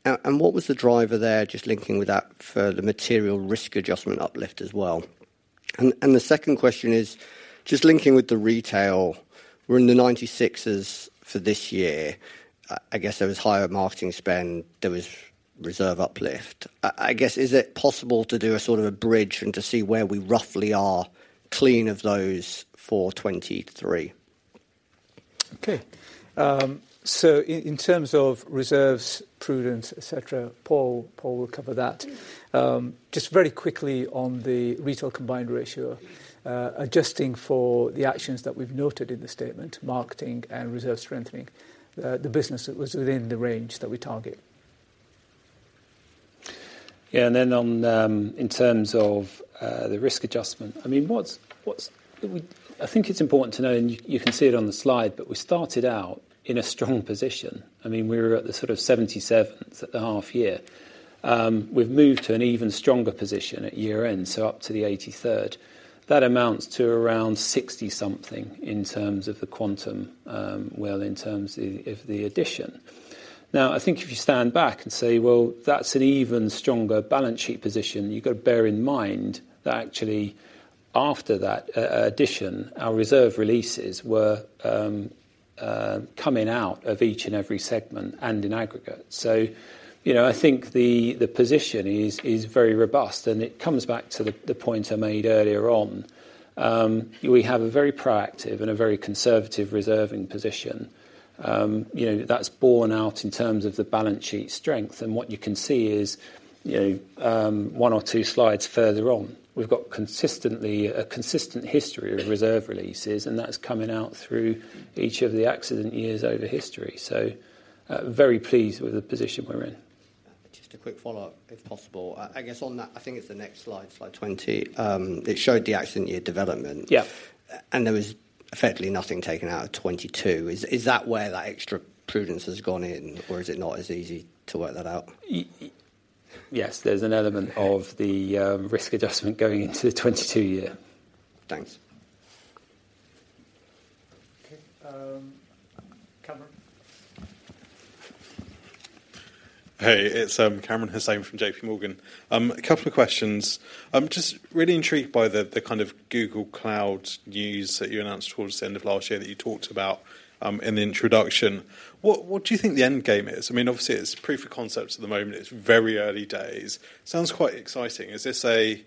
And what was the driver there, just linking with that for the material risk adjustment uplift as well? And the second question is, just linking with the retail, we're in the 96s for this year. I guess there was higher marketing spend. There was reserve uplift. I guess, is it possible to do a sort of a bridge and to see where we roughly are clean of those for 2023? Okay, so in terms of reserves prudence, etc., Paul will cover that. Just very quickly on the Retail Combined Ratio, adjusting for the actions that we've noted in the statement, marketing and reserve strengthening, the business was within the range that we target. Yeah, and then in terms of the risk adjustment, I think it's important to know, and you can see it on the slide, but we started out in a strong position. I mean, we were at the sort of 77s at the half-year. We've moved to an even stronger position at year-end, so up to the 83rd. That amounts to around 60-something in terms of the quantum, well, in terms of the addition. Now, I think if you stand back and say, well, that's an even stronger balance sheet position, you've got to bear in mind that actually after that addition, our reserve releases were coming out of each and every segment and in aggregate. So I think the position is very robust, and it comes back to the point I made earlier on. We have a very proactive and a very conservative reserving position that's borne out in terms of the balance sheet strength. And what you can see is one or two slides further on, we've got a consistent history of reserve releases, and that's coming out through each of the accident years over history. So very pleased with the position we're in. Just a quick follow-up, if possible. I guess on that, I think it's the next slide, slide 20, it showed the accident year development. And there was effectively nothing taken out of 2022. Is that where that extra prudence has gone in, or is it not as easy to work that out? Yes, there's an element of the risk adjustment going into the 2022 year. Thanks. Hey, it's Kamran Hossain from JP Morgan. A couple of questions. I'm just really intrigued by the kind of Google Cloud news that you announced towards the end of last year that you talked about in the introduction. What do you think the end game is? I mean, obviously, it's proof of concepts at the moment. It's very early days. Sounds quite exciting. Is this an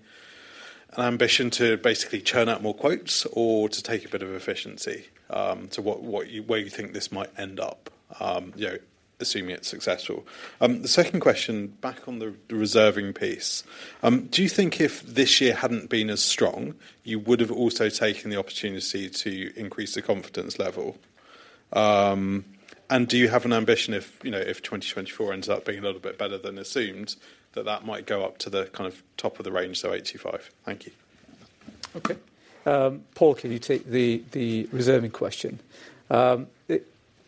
ambition to basically churn out more quotes, or to take a bit of efficiency to where you think this might end up, assuming it's successful? The second question, back on the reserving piece, do you think if this year hadn't been as strong, you would have also taken the opportunity to increase the confidence level? Do you have an ambition if 2024 ends up being a little bit better than assumed, that that might go up to the kind of top of the range, so 85? Thank you. Okay, Paul, can you take the reserving question?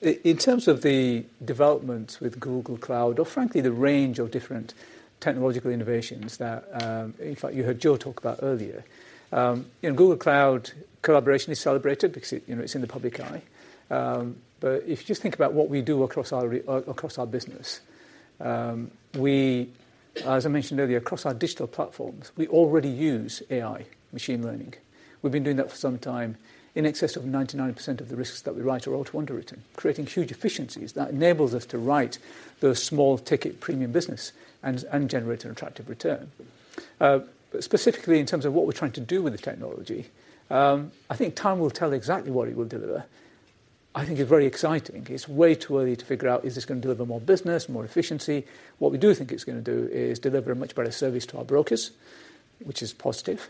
In terms of the developments with Google Cloud, or frankly, the range of different technological innovations that, in fact, you heard Jo talk about earlier, Google Cloud collaboration is celebrated because it's in the public eye. But if you just think about what we do across our business, as I mentioned earlier, across our digital platforms, we already use AI, machine learning. We've been doing that for some time. In excess of 99% of the risks that we write are auto-underwritten, creating huge efficiencies that enables us to write those small-ticket premium businesses and generate an attractive return. But specifically in terms of what we're trying to do with the technology, I think time will tell exactly what it will deliver. I think it's very exciting. It's way too early to figure out, is this going to deliver more business, more efficiency? What we do think it's going to do is deliver a much better service to our brokers, which is positive.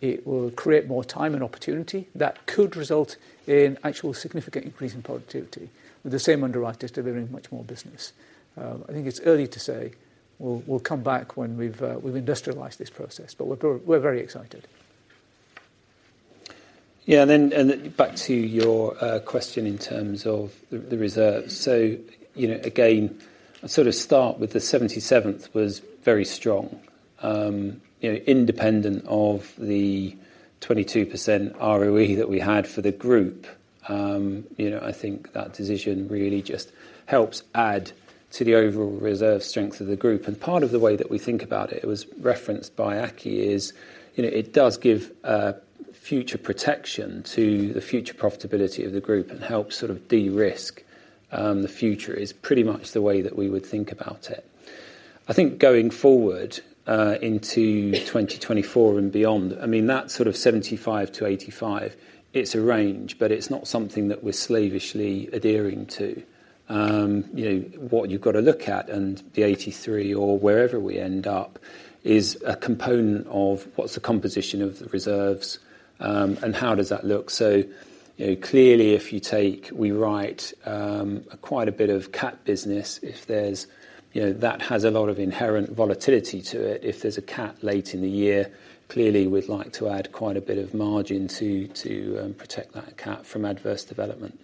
It will create more time and opportunity that could result in actual significant increase in productivity, with the same underwriters delivering much more business. I think it's early to say. We'll come back when we've industrialized this process, but we're very excited. Yeah, and then back to your question in terms of the reserves. So again, I'd sort of start with the Q1 was very strong. Independent of the 22% ROE that we had for the group, I think that decision really just helps add to the overall reserve strength of the group. And part of the way that we think about it, it was referenced by Aki, is it does give future protection to the future profitability of the group and helps sort of de-risk the future. It's pretty much the way that we would think about it. I think going forward into 2024 and beyond, I mean, that sort of 75-85, it's a range, but it's not something that we're slavishly adhering to. What you've got to look at, and the 83 or wherever we end up, is a component of what's the composition of the reserves and how does that look. So clearly, if you take we write quite a bit of cat business, if there's that has a lot of inherent volatility to it. If there's a cat late in the year, clearly we'd like to add quite a bit of margin to protect that cat from adverse development.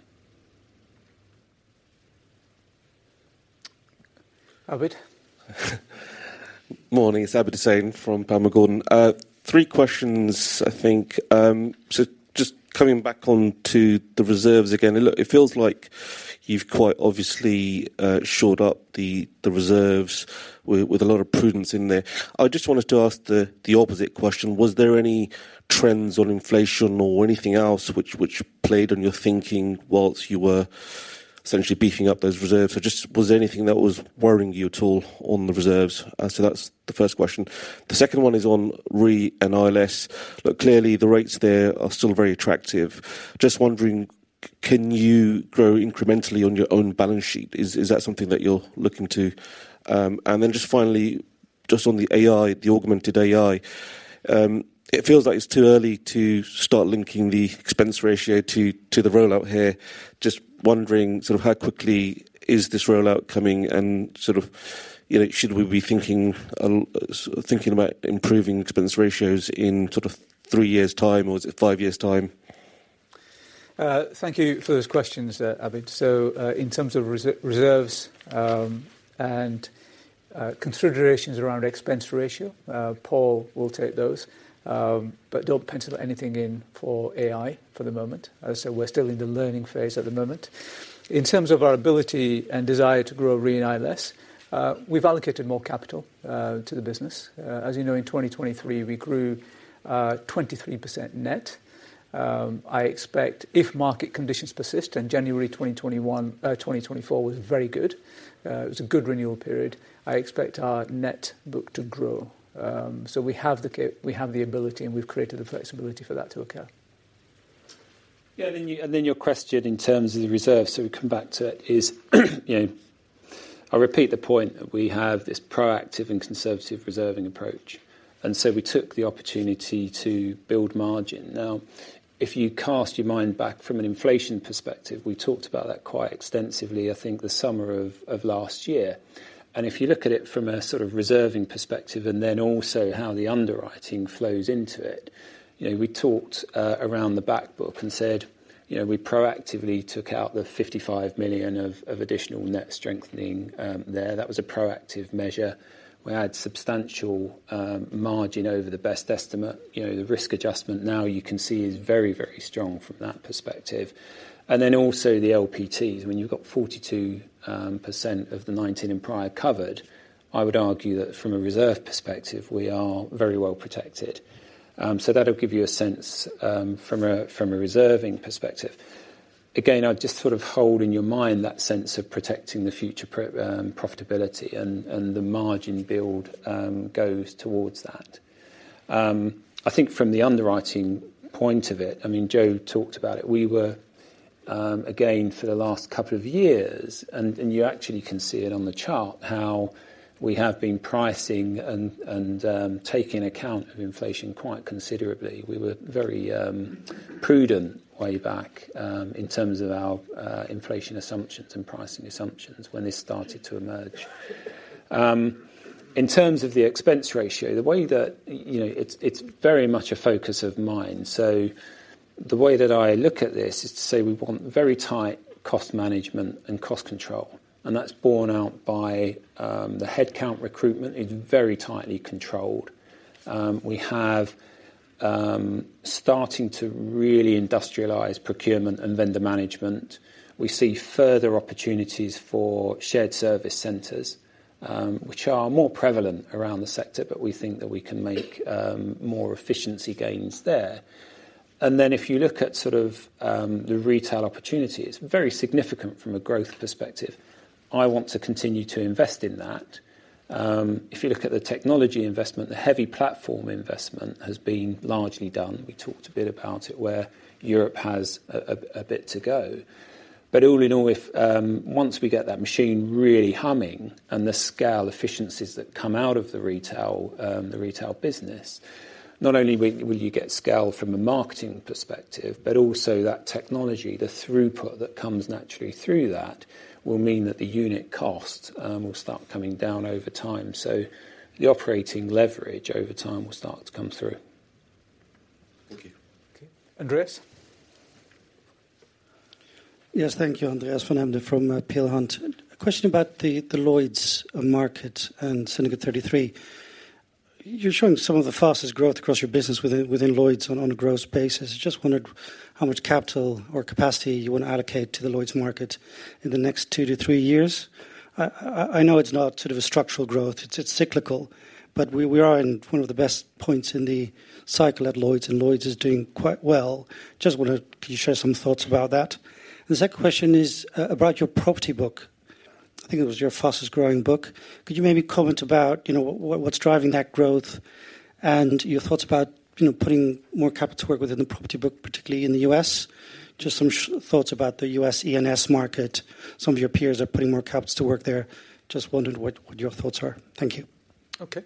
Abid? Morning, it's Abid Hussain from Panmure Gordon. Three questions, I think. So just coming back onto the reserves again, it feels like you've quite obviously shored up the reserves with a lot of prudence in there. I just wanted to ask the opposite question. Was there any trends on inflation or anything else which played on your thinking while you were essentially beefing up those reserves? So just was there anything that was worrying you at all on the reserves? So that's the first question. The second one is on Re & ILS. Look, clearly, the rates there are still very attractive. Just wondering, can you grow incrementally on your own balance sheet? Is that something that you're looking to? And then just finally, just on the AI, the augmented AI, it feels like it's too early to start linking the expense ratio to the rollout here. Just wondering sort of how quickly is this rollout coming, and sort of should we be thinking about improving expense ratios in sort of three years' time, or is it five years' time? Thank you for those questions, Abid. So in terms of reserves and considerations around expense ratio, Paul will take those. But don't pencil anything in for AI for the moment. So we're still in the learning phase at the moment. In terms of our ability and desire to grow Re & ILS, we've allocated more capital to the business. As you know, in 2023, we grew 23% net. I expect, if market conditions persist and January 2024 was very good, it was a good renewal period, I expect our net book to grow. So we have the ability, and we've created the flexibility for that to occur. Yeah, and then your question in terms of the reserves, so we come back to it, is I repeat the point that we have this proactive and conservative reserving approach. And so we took the opportunity to build margin. Now, if you cast your mind back from an inflation perspective, we talked about that quite extensively, I think, the summer of last year. And if you look at it from a sort of reserving perspective, and then also how the underwriting flows into it, we talked around the backbook and said we proactively took out the $55 million of additional net strengthening there. That was a proactive measure. We add substantial margin over the best estimate. The risk adjustment now you can see is very, very strong from that perspective. Then also the LPTs, when you've got 42% of the 2019 and prior covered, I would argue that from a reserve perspective, we are very well protected. So that'll give you a sense from a reserving perspective. Again, I'd just sort of hold in your mind that sense of protecting the future profitability, and the margin build goes towards that. I think from the underwriting point of it, I mean, Jo talked about it. We were, again, for the last couple of years, and you actually can see it on the chart, how we have been pricing and taking account of inflation quite considerably. We were very prudent way back in terms of our inflation assumptions and pricing assumptions when this started to emerge. In terms of the expense ratio, the way that it's very much a focus of mine. So the way that I look at this is to say we want very tight cost management and cost control. And that's borne out by the headcount recruitment. It's very tightly controlled. We're starting to really industrialize procurement and vendor management. We see further opportunities for shared service centers, which are more prevalent around the sector, but we think that we can make more efficiency gains there. And then if you look at sort of the retail opportunity, it's very significant from a growth perspective. I want to continue to invest in that. If you look at the technology investment, the heavy platform investment has been largely done. We talked a bit about it where Europe has a bit to go. But all in all, once we get that machine really humming and the scale efficiencies that come out of the retail business, not only will you get scale from a marketing perspective, but also that technology, the throughput that comes naturally through that, will mean that the unit cost will start coming down over time. So the operating leverage over time will start to come through. Thank you. Okay, Andreas? Yes, thank you, Andreas von Embden from Peel Hunt. A question about the Lloyd's market and Syndicate 33. You're showing some of the fastest growth across your business within Lloyd's on a gross basis. I just wondered how much capital or capacity you want to allocate to the Lloyd's market in the next two to three years. I know it's not sort of a structural growth. It's cyclical. But we are in one of the best points in the cycle at Lloyd's, and Lloyd's is doing quite well. Just want to, can you share some thoughts about that? The second question is about your property book. I think it was your fastest growing book. Could you maybe comment about what's driving that growth and your thoughts about putting more capital to work within the property book, particularly in the U.S.? Just some thoughts about the U.S. E&S market. Some of your peers are putting more capitals to work there. Just wondering what your thoughts are. Thank you. Okay.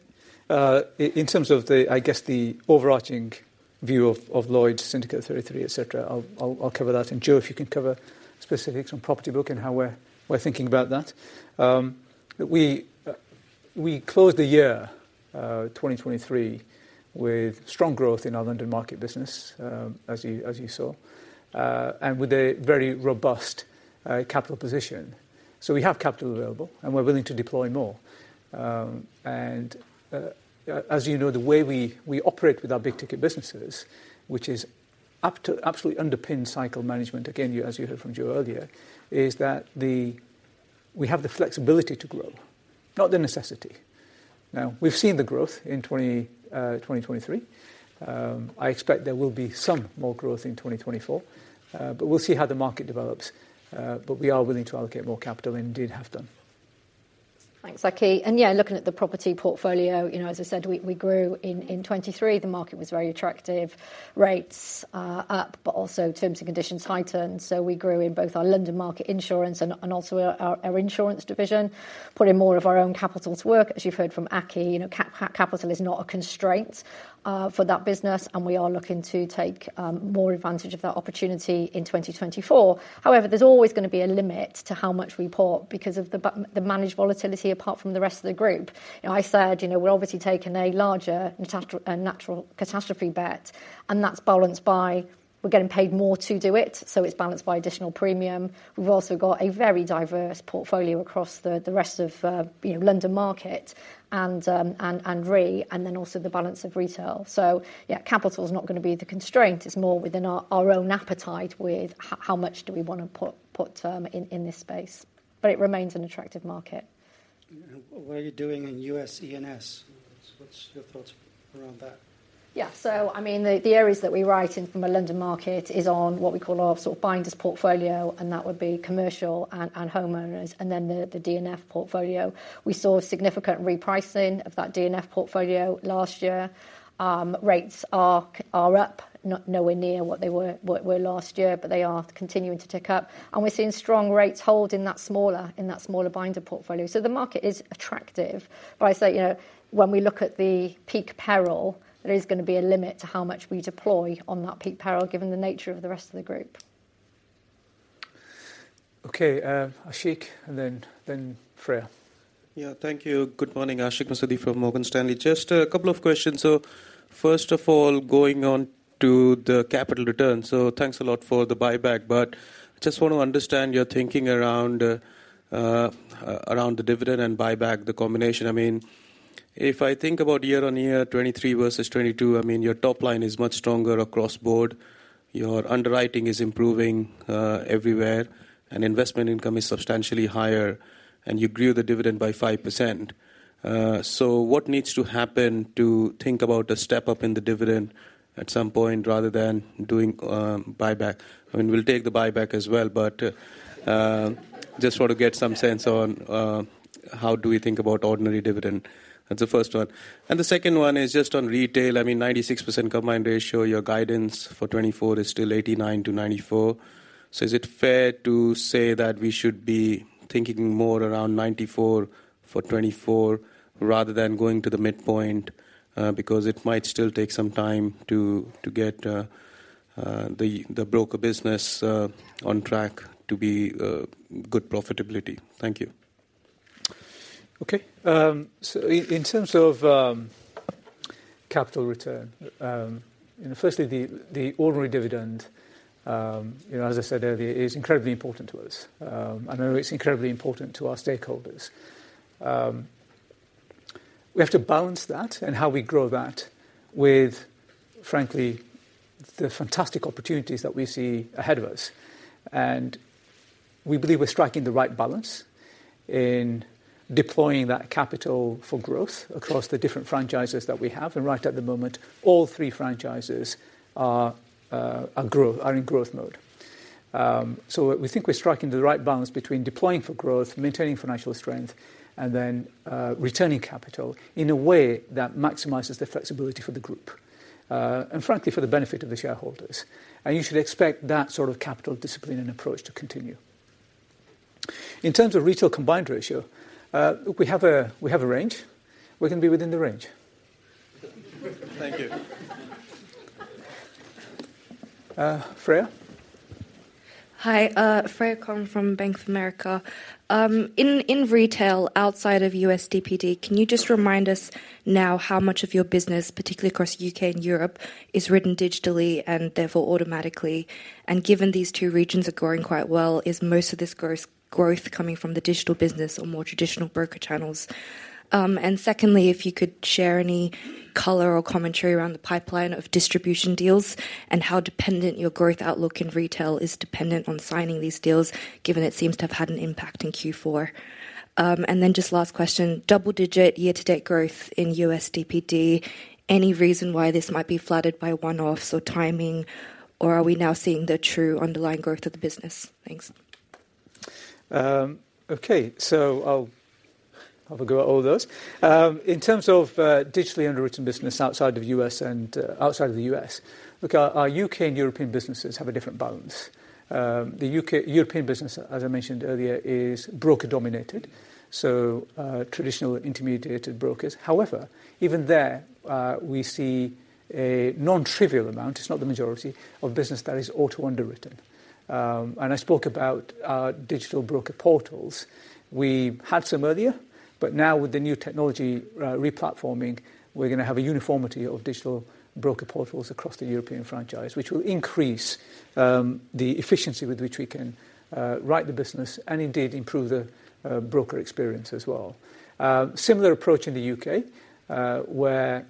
In terms of, I guess, the overarching view of Lloyd's, Syndicate 33, etc., I'll cover that. And Jo, if you can cover specifics on property book and how we're thinking about that. We closed the year, 2023, with strong growth in our London Market business, as you saw, and with a very robust capital position. So we have capital available, and we're willing to deploy more. And as you know, the way we operate with our big-ticket businesses, which is absolutely underpinned cycle management, again, as you heard from Jo earlier, is that we have the flexibility to grow, not the necessity. Now, we've seen the growth in 2023. I expect there will be some more growth in 2024. But we'll see how the market develops. But we are willing to allocate more capital and did have done. Thanks, Aki. And yeah, looking at the property portfolio, as I said, we grew in 2023. The market was very attractive. Rates up, but also terms and conditions heightened. So we grew in both our London Market insurance and also our insurance division, putting more of our own capital to work. As you've heard from Aki, capital is not a constraint for that business, and we are looking to take more advantage of that opportunity in 2024. However, there's always going to be a limit to how much we put because of the managed volatility apart from the rest of the group. I said we're obviously taking a larger natural catastrophe bet, and that's balanced by we're getting paid more to do it. So it's balanced by additional premium. We've also got a very diverse portfolio across the rest of London Market and Re, and then also the balance of Retail. So yeah, capital's not going to be the constraint. It's more within our own appetite with how much do we want to put in this space. But it remains an attractive market. What are you doing in U.S. E&S? What's your thoughts around that? Yeah, so I mean, the areas that we write in from a London Market is on what we call our sort of binders portfolio, and that would be commercial and homeowners, and then the fine art portfolio. We saw significant repricing of that fine art portfolio last year. Rates are up, nowhere near what they were last year, but they are continuing to tick up. And we're seeing strong rates hold in that smaller binder portfolio. So the market is attractive. But I say, when we look at the peak peril, there is going to be a limit to how much we deploy on that peak peril, given the nature of the rest of the group. Okay, Aashiq, and then Freya. Yeah, thank you. Good morning, Aashiq Mohamad from Morgan Stanley. Just a couple of questions. So first of all, going on to the capital return. So thanks a lot for the buyback. But I just want to understand your thinking around the dividend and buyback, the combination. I mean, if I think about year-on-year, 2023 versus 2022, I mean, your top line is much stronger across the board. Your underwriting is improving everywhere, and investment income is substantially higher. And you grew the dividend by 5%. So what needs to happen to think about a step up in the dividend at some point rather than doing buyback? I mean, we'll take the buyback as well, but just want to get some sense on how do we think about ordinary dividend. That's the first one. And the second one is just on retail. I mean, 96% combined ratio, your guidance for 2024 is still 89%-94%. So is it fair to say that we should be thinking more around 94% for 2024 rather than going to the midpoint? Because it might still take some time to get the broker business on track to be good profitability? Thank you. Okay. So in terms of capital return, firstly, the ordinary dividend, as I said earlier, is incredibly important to us. I know it's incredibly important to our stakeholders. We have to balance that and how we grow that with, frankly, the fantastic opportunities that we see ahead of us. We believe we're striking the right balance in deploying that capital for growth across the different franchises that we have. And right at the moment, all three franchises are in growth mode. So we think we're striking the right balance between deploying for growth, maintaining financial strength, and then returning capital in a way that maximizes the flexibility for the group, and frankly, for the benefit of the shareholders. And you should expect that sort of capital discipline and approach to continue. In terms of Retail Combined Ratio, we have a range. We're going to be within the range. Thank you. Freya? Hi. Freya Kong from Bank of America. In retail outside of US DPD, can you just remind us now how much of your business, particularly across the UK and Europe, is written digitally and therefore automatically? And given these two regions are growing quite well, is most of this growth coming from the digital business or more traditional broker channels? And secondly, if you could share any color or commentary around the pipeline of distribution deals and how dependent your growth outlook in retail is dependent on signing these deals, given it seems to have had an impact in Q4. And then just last question, double-digit year-to-date growth in US DPD, any reason why this might be clouded by one-offs or timing, or are we now seeing the true underlying growth of the business? Thanks. Okay, so I'll have a go at all those. In terms of digitally underwritten business outside of the U.S. and outside of the U.S., look, our UK and European businesses have a different balance. The European business, as I mentioned earlier, is broker-dominated, so traditional intermediated brokers. However, even there, we see a non-trivial amount, it's not the majority, of business that is auto-underwritten. I spoke about our digital broker portals. We had some earlier, but now with the new technology replatforming, we're going to have a uniformity of digital broker portals across the European franchise, which will increase the efficiency with which we can write the business and indeed improve the broker experience as well. Similar approach in the UK, where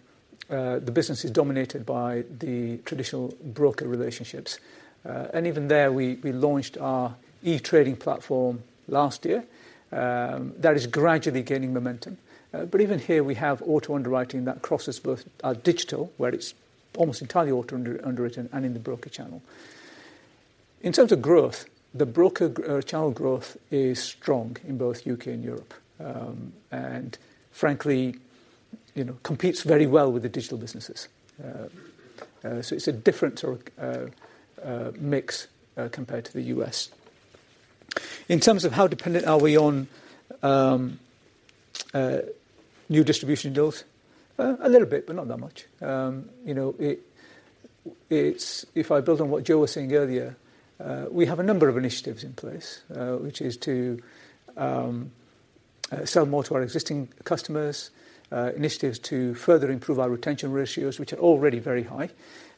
the business is dominated by the traditional broker relationships. Even there, we launched our e-trading platform last year. That is gradually gaining momentum. But even here, we have auto-underwriting that crosses both our digital, where it's almost entirely auto-underwritten, and in the broker channel. In terms of growth, the broker channel growth is strong in both UK and Europe, and frankly, competes very well with the digital businesses. So it's a different sort of mix compared to the U.S. In terms of how dependent are we on new distribution deals? A little bit, but not that much. If I build on what Jo was saying earlier, we have a number of initiatives in place, which is to sell more to our existing customers, initiatives to further improve our retention ratios, which are already very high,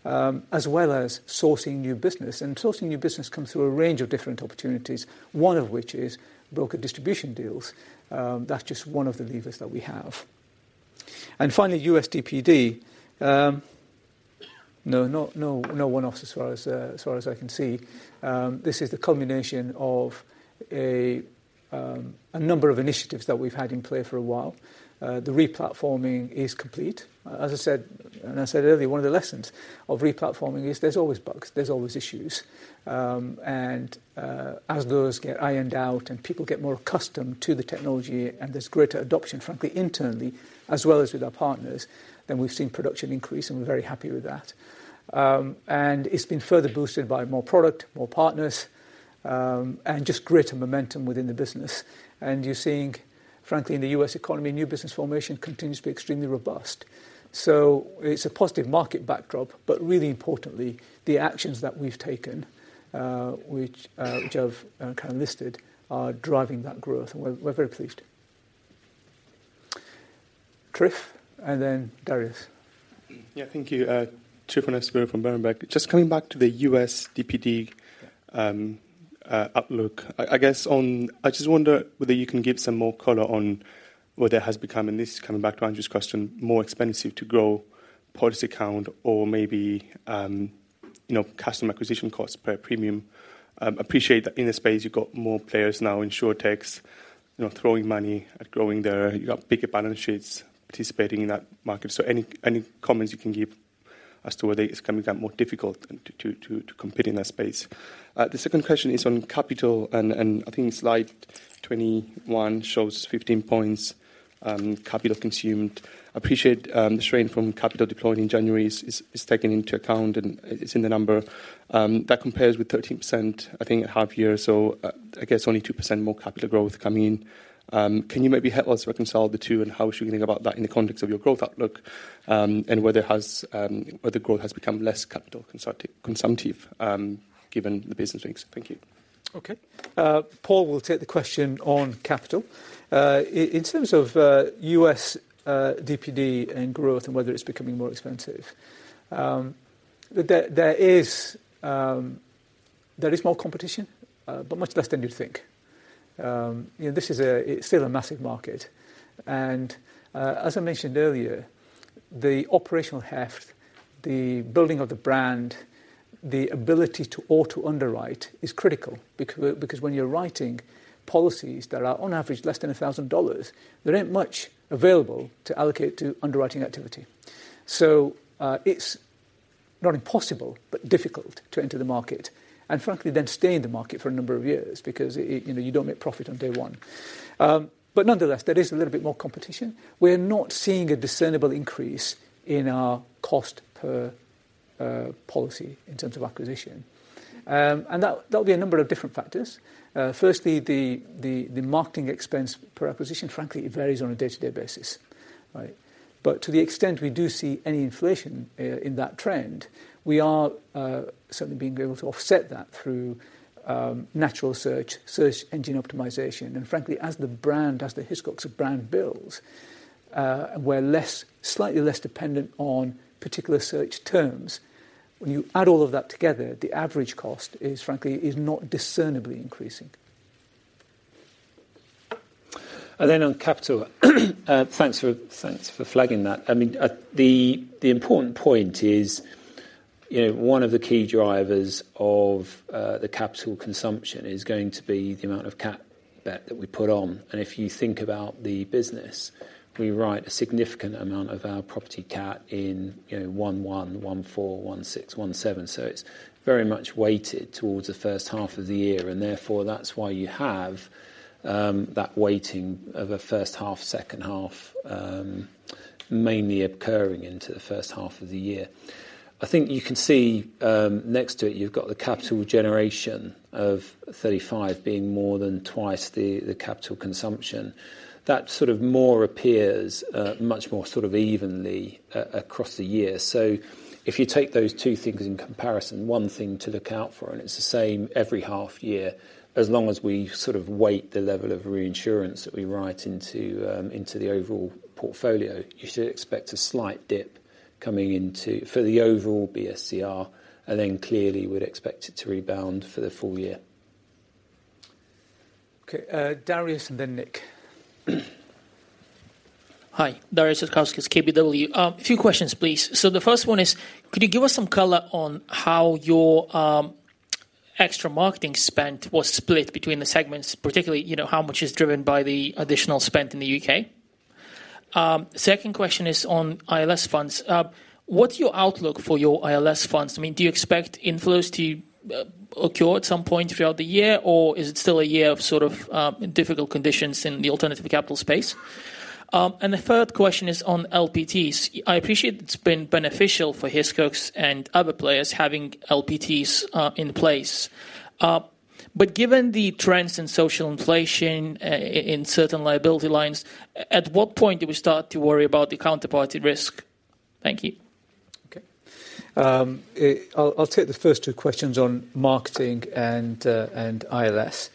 as well as sourcing new business. And sourcing new business comes through a range of different opportunities, one of which is broker distribution deals. That's just one of the levers that we have. And finally, US DPD, no, no one-offs as far as I can see. This is the culmination of a number of initiatives that we've had in play for a while. The re-platforming is complete. As I said, and I said earlier, one of the lessons of re-platforming is there's always bugs. There's always issues. And as those get ironed out and people get more accustomed to the technology and there's greater adoption, frankly, internally, as well as with our partners, then we've seen production increase, and we're very happy with that. And it's been further boosted by more product, more partners, and just greater momentum within the business. And you're seeing, frankly, in the U.S. economy, new business formation continues to be extremely robust. So it's a positive market backdrop, but really importantly, the actions that we've taken, which I've kind of listed, are driving that growth. And we're very pleased. Trif, and then Darius. Yeah, thank you. Tryfonas Spyrou from Berenberg. Just coming back to the US DPD outlook, I guess I just wonder whether you can give some more color on what that has become. And this is coming back to Andrew's question, more expensive to grow policy account or maybe customer acquisition costs per premium. Appreciate that in the space, you've got more players now in short-terms, throwing money at growing there. You've got bigger balance sheets participating in that market. So any comments you can give as to whether it's coming out more difficult to compete in that space? The second question is on capital. And I think slide 21 shows 15 points capital consumed. Appreciate the strain from capital deploying in January is taken into account, and it's in the number. That compares with 13%, I think, a half year. So I guess only 2% more capital growth coming in. Can you maybe help us reconcile the two? And how should we think about that in the context of your growth outlook and whether growth has become less capital-consumptive given the business mix? Thank you. Okay. Paul will take the question on capital. In terms of US DPD and growth and whether it's becoming more expensive, there is more competition, but much less than you'd think. This is still a massive market. And as I mentioned earlier, the operational heft, the building of the brand, the ability to auto-underwrite is critical. Because when you're writing policies that are, on average, less than $1,000, there ain't much available to allocate to underwriting activity. So it's not impossible, but difficult to enter the market and frankly, then stay in the market for a number of years because you don't make profit on day one. But nonetheless, there is a little bit more competition. We're not seeing a discernible increase in our cost per policy in terms of acquisition. And that'll be a number of different factors. Firstly, the marketing expense per acquisition, frankly, it varies on a day-to-day basis. But to the extent we do see any inflation in that trend, we are certainly being able to offset that through natural search, search engine optimization. And frankly, as the brand, as the Hiscox brand builds, and we're slightly less dependent on particular search terms, when you add all of that together, the average cost, frankly, is not discernibly increasing. And then on capital, thanks for flagging that. I mean, the important point is one of the key drivers of the capital consumption is going to be the amount of cat bet that we put on. And if you think about the business, we write a significant amount of our property cap in 2011, 2014, 2016, 2017. So it's very much weighted towards the first half of the year. And therefore, that's why you have that weighting of a first half, second half, mainly occurring into the first half of the year. I think you can see next to it, you've got the capital generation of 35 being more than twice the capital consumption. That sort of more appears much more sort of evenly across the year. So if you take those two things in comparison, one thing to look out for, and it's the same every half year, as long as we sort of weight the level of reinsurance that we write into the overall portfolio, you should expect a slight dip coming into for the overall BSCR. And then clearly, we'd expect it to rebound for the full year. Okay. Darius and then Nick. Hi. Darius Satkauskas, KBW. A few questions, please. So the first one is, could you give us some color on how your extra marketing spent was split between the segments, particularly how much is driven by the additional spent in the UK? Second question is on ILS funds. What's your outlook for your ILS funds? I mean, do you expect inflows to occur at some point throughout the year, or is it still a year of sort of difficult conditions in the alternative capital space? And the third question is on LPTs. I appreciate it's been beneficial for Hiscox and other players having LPTs in place. But given the trends in social inflation in certain liability lines, at what point do we start to worry about the counterparty risk? Thank you. Okay. I'll take the first two questions on marketing and ILS.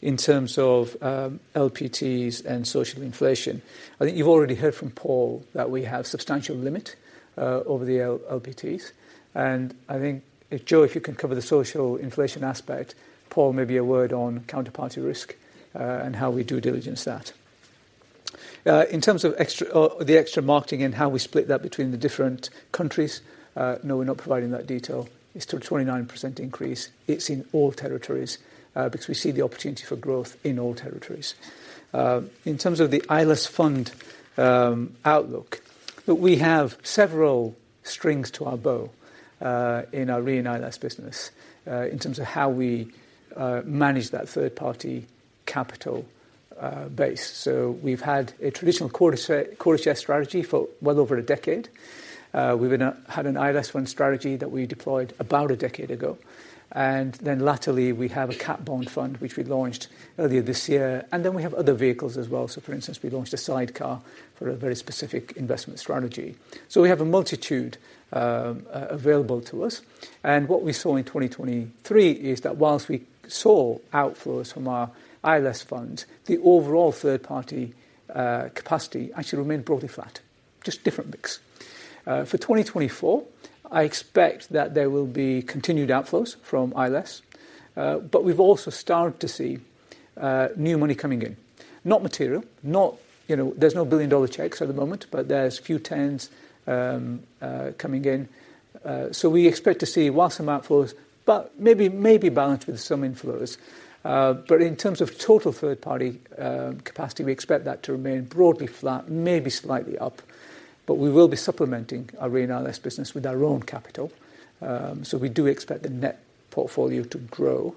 In terms of LPTs and social inflation, I think you've already heard from Paul that we have substantial limit over the LPTs. And I think, Jo, if you can cover the social inflation aspect, Paul, maybe a word on counterparty risk and how we due diligence that. In terms of the extra marketing and how we split that between the different countries, no, we're not providing that detail. It's still a 29% increase. It's in all territories because we see the opportunity for growth in all territories. In terms of the ILS fund outlook, look, we have several strings to our bow in our Re & ILS business in terms of how we manage that third-party capital base. So we've had a traditional quota share strategy for well over a decade. We've had an ILS fund strategy that we deployed about a decade ago. Then laterally, we have a cap-bond fund, which we launched earlier this year. And then we have other vehicles as well. So for instance, we launched a sidecar for a very specific investment strategy. So we have a multitude available to us. And what we saw in 2023 is that whilst we saw outflows from our ILS funds, the overall third-party capacity actually remained broadly flat, just different mix. For 2024, I expect that there will be continued outflows from ILS. But we've also started to see new money coming in, not material. There's no billion-dollar checks at the moment, but there's few tens coming in. So we expect to see whilst some outflows, but maybe balanced with some inflows. But in terms of total third-party capacity, we expect that to remain broadly flat, maybe slightly up. But we will be supplementing our Re & ILS business with our own capital. So we do expect the net portfolio to grow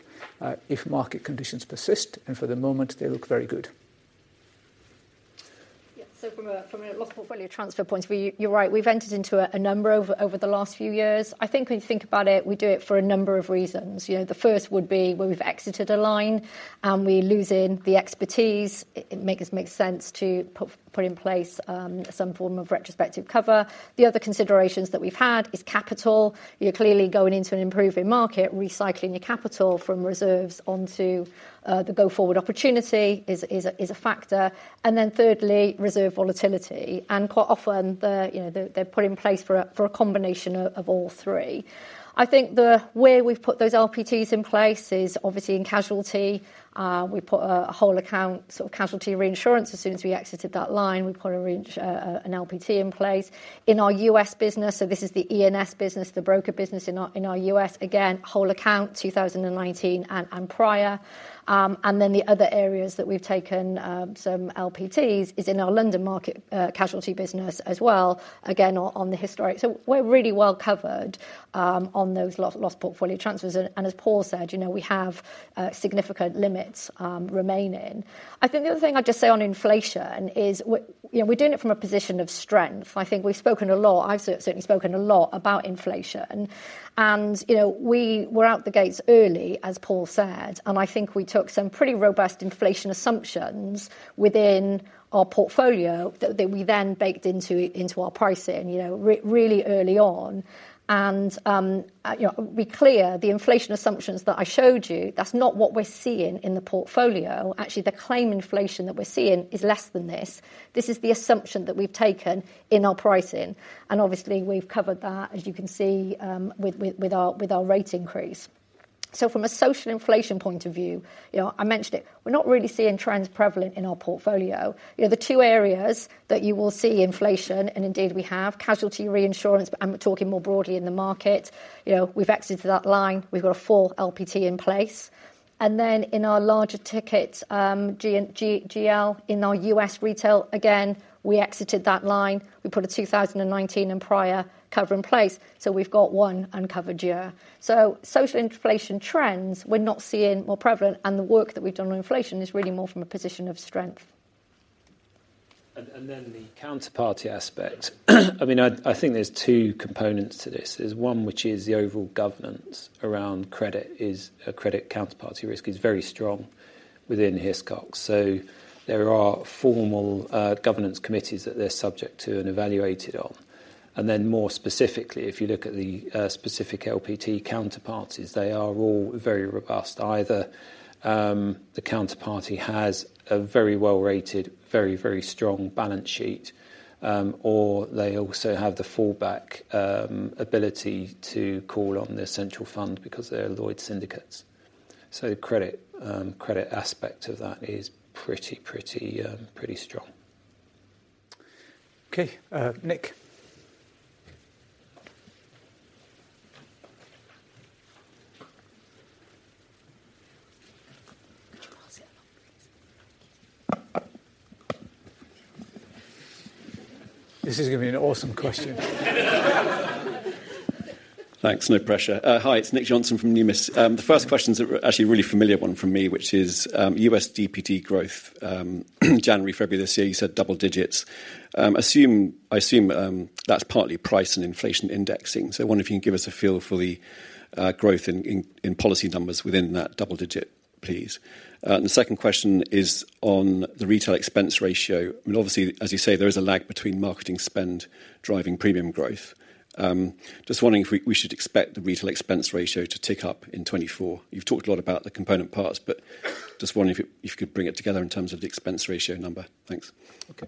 if market conditions persist. And for the moment, they look very good. Yeah. So from a loss portfolio transfer point of view, you're right. We've entered into a number over the last few years. I think when you think about it, we do it for a number of reasons. The first would be when we've exited a line and we lose the expertise, it makes sense to put in place some form of retrospective cover. The other considerations that we've had is capital. You're clearly going into an improving market, recycling your capital from reserves onto the go-forward opportunity is a factor. And then thirdly, reserve volatility. And quite often, they're put in place for a combination of all three. I think where we've put those LPTs in place is obviously in casualty. We put a whole account sort of casualty reinsurance as soon as we exited that line. We put an LPT in place. In our U.S. business, so this is the E&S business, the broker business in our U.S., again, whole account 2019 and prior. And then the other areas that we've taken some LPTs is in our London Market casualty business as well, again, on the historic. So we're really well covered on those loss portfolio transfers. And as Paul said, we have significant limits remaining in. I think the other thing I'd just say on inflation is we're doing it from a position of strength. I think we've spoken a lot I've certainly spoken a lot about inflation. And we were out the gates early, as Paul said. And I think we took some pretty robust inflation assumptions within our portfolio that we then baked into our pricing really early on. And be clear, the inflation assumptions that I showed you, that's not what we're seeing in the portfolio. Actually, the claim inflation that we're seeing is less than this. This is the assumption that we've taken in our pricing. And obviously, we've covered that, as you can see, with our rate increase. So from a social inflation point of view, I mentioned it, we're not really seeing trends prevalent in our portfolio. The two areas that you will see inflation, and indeed, we have, Casualty reinsurance, but I'm talking more broadly in the market. We've exited that line. We've got a full LPT in place. And then in our larger ticket, GL, in our U.S. retail, again, we exited that line. We put a 2019 and prior cover in place. So we've got one uncovered year. So social inflation trends, we're not seeing more prevalent. And the work that we've done on inflation is really more from a position of strength. And then the counterparty aspect. I mean, I think there's two components to this. There's one, which is the overall governance around credit counterparty risk is very strong within Hiscox. So there are formal governance committees that they're subject to and evaluated on. And then more specifically, if you look at the specific LPT counterparties, they are all very robust. Either the counterparty has a very well-rated, very, very strong balance sheet, or they also have the fallback ability to call on the central fund because they're Lloyd's syndicates. So the credit aspect of that is pretty, pretty, pretty strong. Okay. Nick. Could you pass it along, please? This is going to be an awesome question. Thanks. No pressure. Hi. It's Nick Johnson from Numis. The first question's actually a really familiar one from me, which is U.S. DPD growth January, February this year. You said double digits. I assume that's partly price and inflation indexing. So I wonder if you can give us a feel for the growth in policy numbers within that double digit, please. And the second question is on the retail expense ratio. I mean, obviously, as you say, there is a lag between marketing spend driving premium growth. Just wondering if we should expect the retail expense ratio to tick up in 2024. You've talked a lot about the component parts, but just wondering if you could bring it together in terms of the expense ratio number. Thanks. Okay.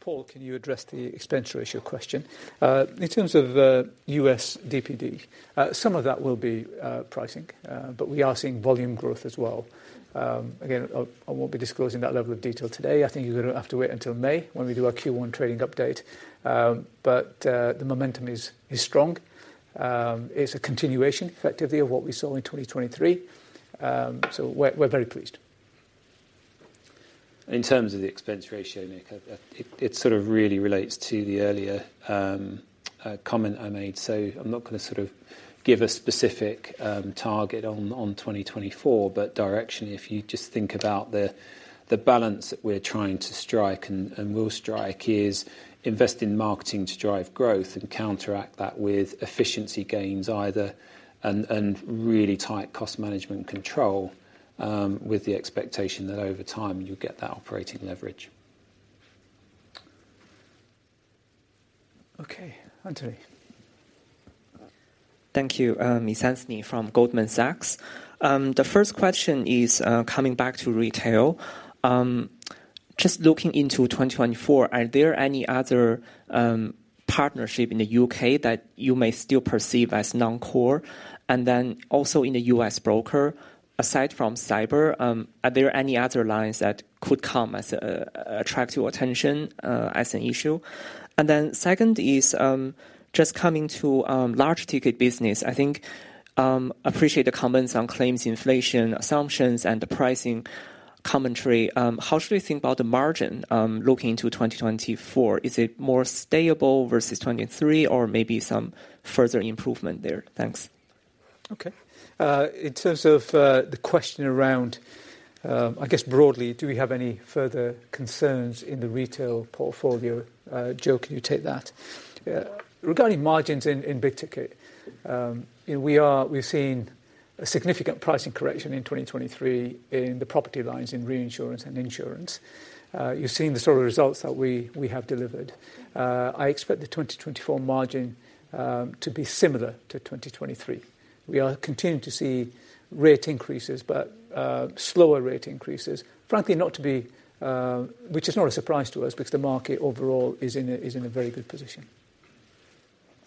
Paul, can you address the expense ratio question? In terms of US DPD, some of that will be pricing. But we are seeing volume growth as well. Again, I won't be disclosing that level of detail today. I think you're going to have to wait until May when we do our Q1 trading update. But the momentum is strong. It's a continuation, effectively, of what we saw in 2023. So we're very pleased. In terms of the expense ratio, Nick, it sort of really relates to the earlier comment I made. So I'm not going to sort of give a specific target on 2024. But directionally, if you just think about the balance that we're trying to strike and will strike is invest in marketing to drive growth and counteract that with efficiency gains either and really tight cost management control with the expectation that over time, you'll get that operating leverage. Okay. Anthony. Thank you. Anthony Sheridan from Goldman Sachs. The first question is coming back to retail. Just looking into 2024, are there any other partnership in the UK that you may still perceive as non-core? And then also in the US Broker, aside from cyber, are there any other lines that could come as attract your attention as an issue? And then second is just coming to large-ticket business. I think I appreciate the comments on claims inflation, assumptions, and the pricing commentary. How should we think about the margin looking into 2024? Is it more stable versus 2023, or maybe some further improvement there? Thanks. Okay. In terms of the question around, I guess broadly, do we have any further concerns in the retail portfolio? Jo, can you take that? Regarding margins in big-ticket, we've seen a significant pricing correction in 2023 in the property lines in reinsurance and insurance. You've seen the sort of results that we have delivered. I expect the 2024 margin to be similar to 2023. We are continuing to see rate increases, but slower rate increases, frankly, not to be which is not a surprise to us because the market overall is in a very good position.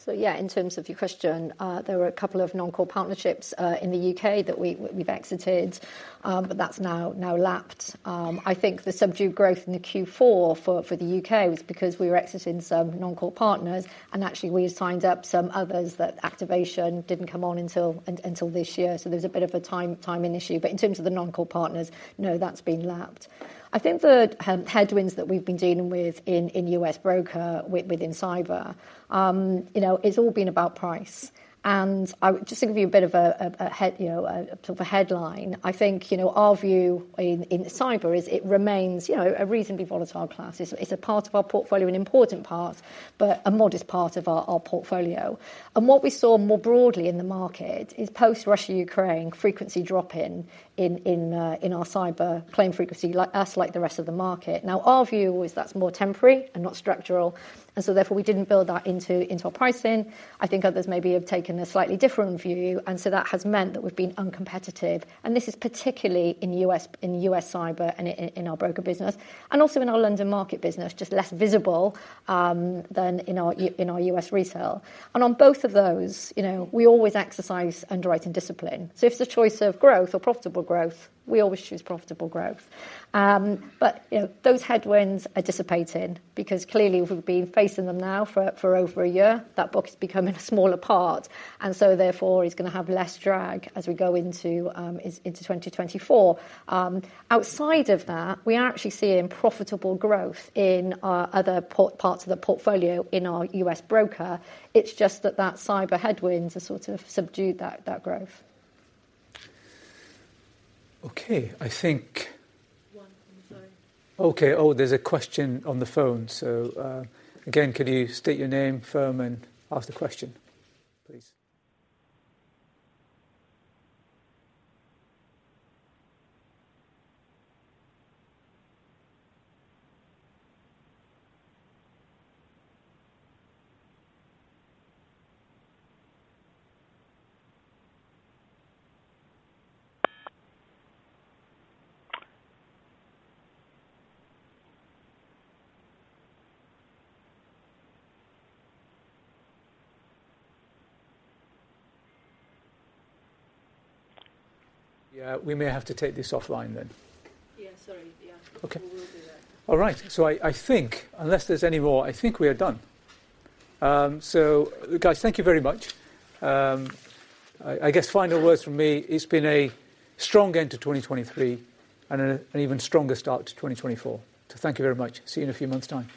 So yeah, in terms of your question, there were a couple of non-core partnerships in the UK that we've exited, but that's now lapped. I think the subdued growth in the Q4 for the UK was because we were exiting some non-core partners. And actually, we had signed up some others that activation didn't come on until this year. So there was a bit of a timing issue. But in terms of the non-core partners, no, that's been lapped. I think the headwinds that we've been dealing with in U.S. broker within cyber, it's all been about price. And just to give you a bit of a sort of a headline, I think our view in cyber is it remains a reasonably volatile class. It's a part of our portfolio, an important part, but a modest part of our portfolio. What we saw more broadly in the market is post-Russia-Ukraine frequency dropping in our cyber claim frequency as, like, the rest of the market. Now, our view is that's more temporary and not structural. And so therefore, we didn't build that into our pricing. I think others maybe have taken a slightly different view. And so that has meant that we've been uncompetitive. And this is particularly in U.S. cyber and in our broker business and also in our London Market business, just less visible than in our U.S. retail. And on both of those, we always exercise underwriting discipline. So if it's a choice of growth or profitable growth, we always choose profitable growth. But those headwinds are dissipating because clearly, if we've been facing them now for over a year, that book is becoming a smaller part. So therefore, it's going to have less drag as we go into 2024. Outside of that, we are actually seeing profitable growth in other parts of the portfolio in our US Broker. It's just that that cyber headwinds have sort of subdued that growth. Okay. I think. Okay. Oh, there's a question on the phone. So again, could you state your name, firm, and ask the question, please? Yeah. We may have to take this offline then. Yeah. Sorry. Yeah. We will do that. All right. So I think unless there's any more? I think we are done. So guys, thank you very much. I guess final words from me. It's been a strong end to 2023 and an even stronger start to 2024. So thank you very much. See you in a few months' time.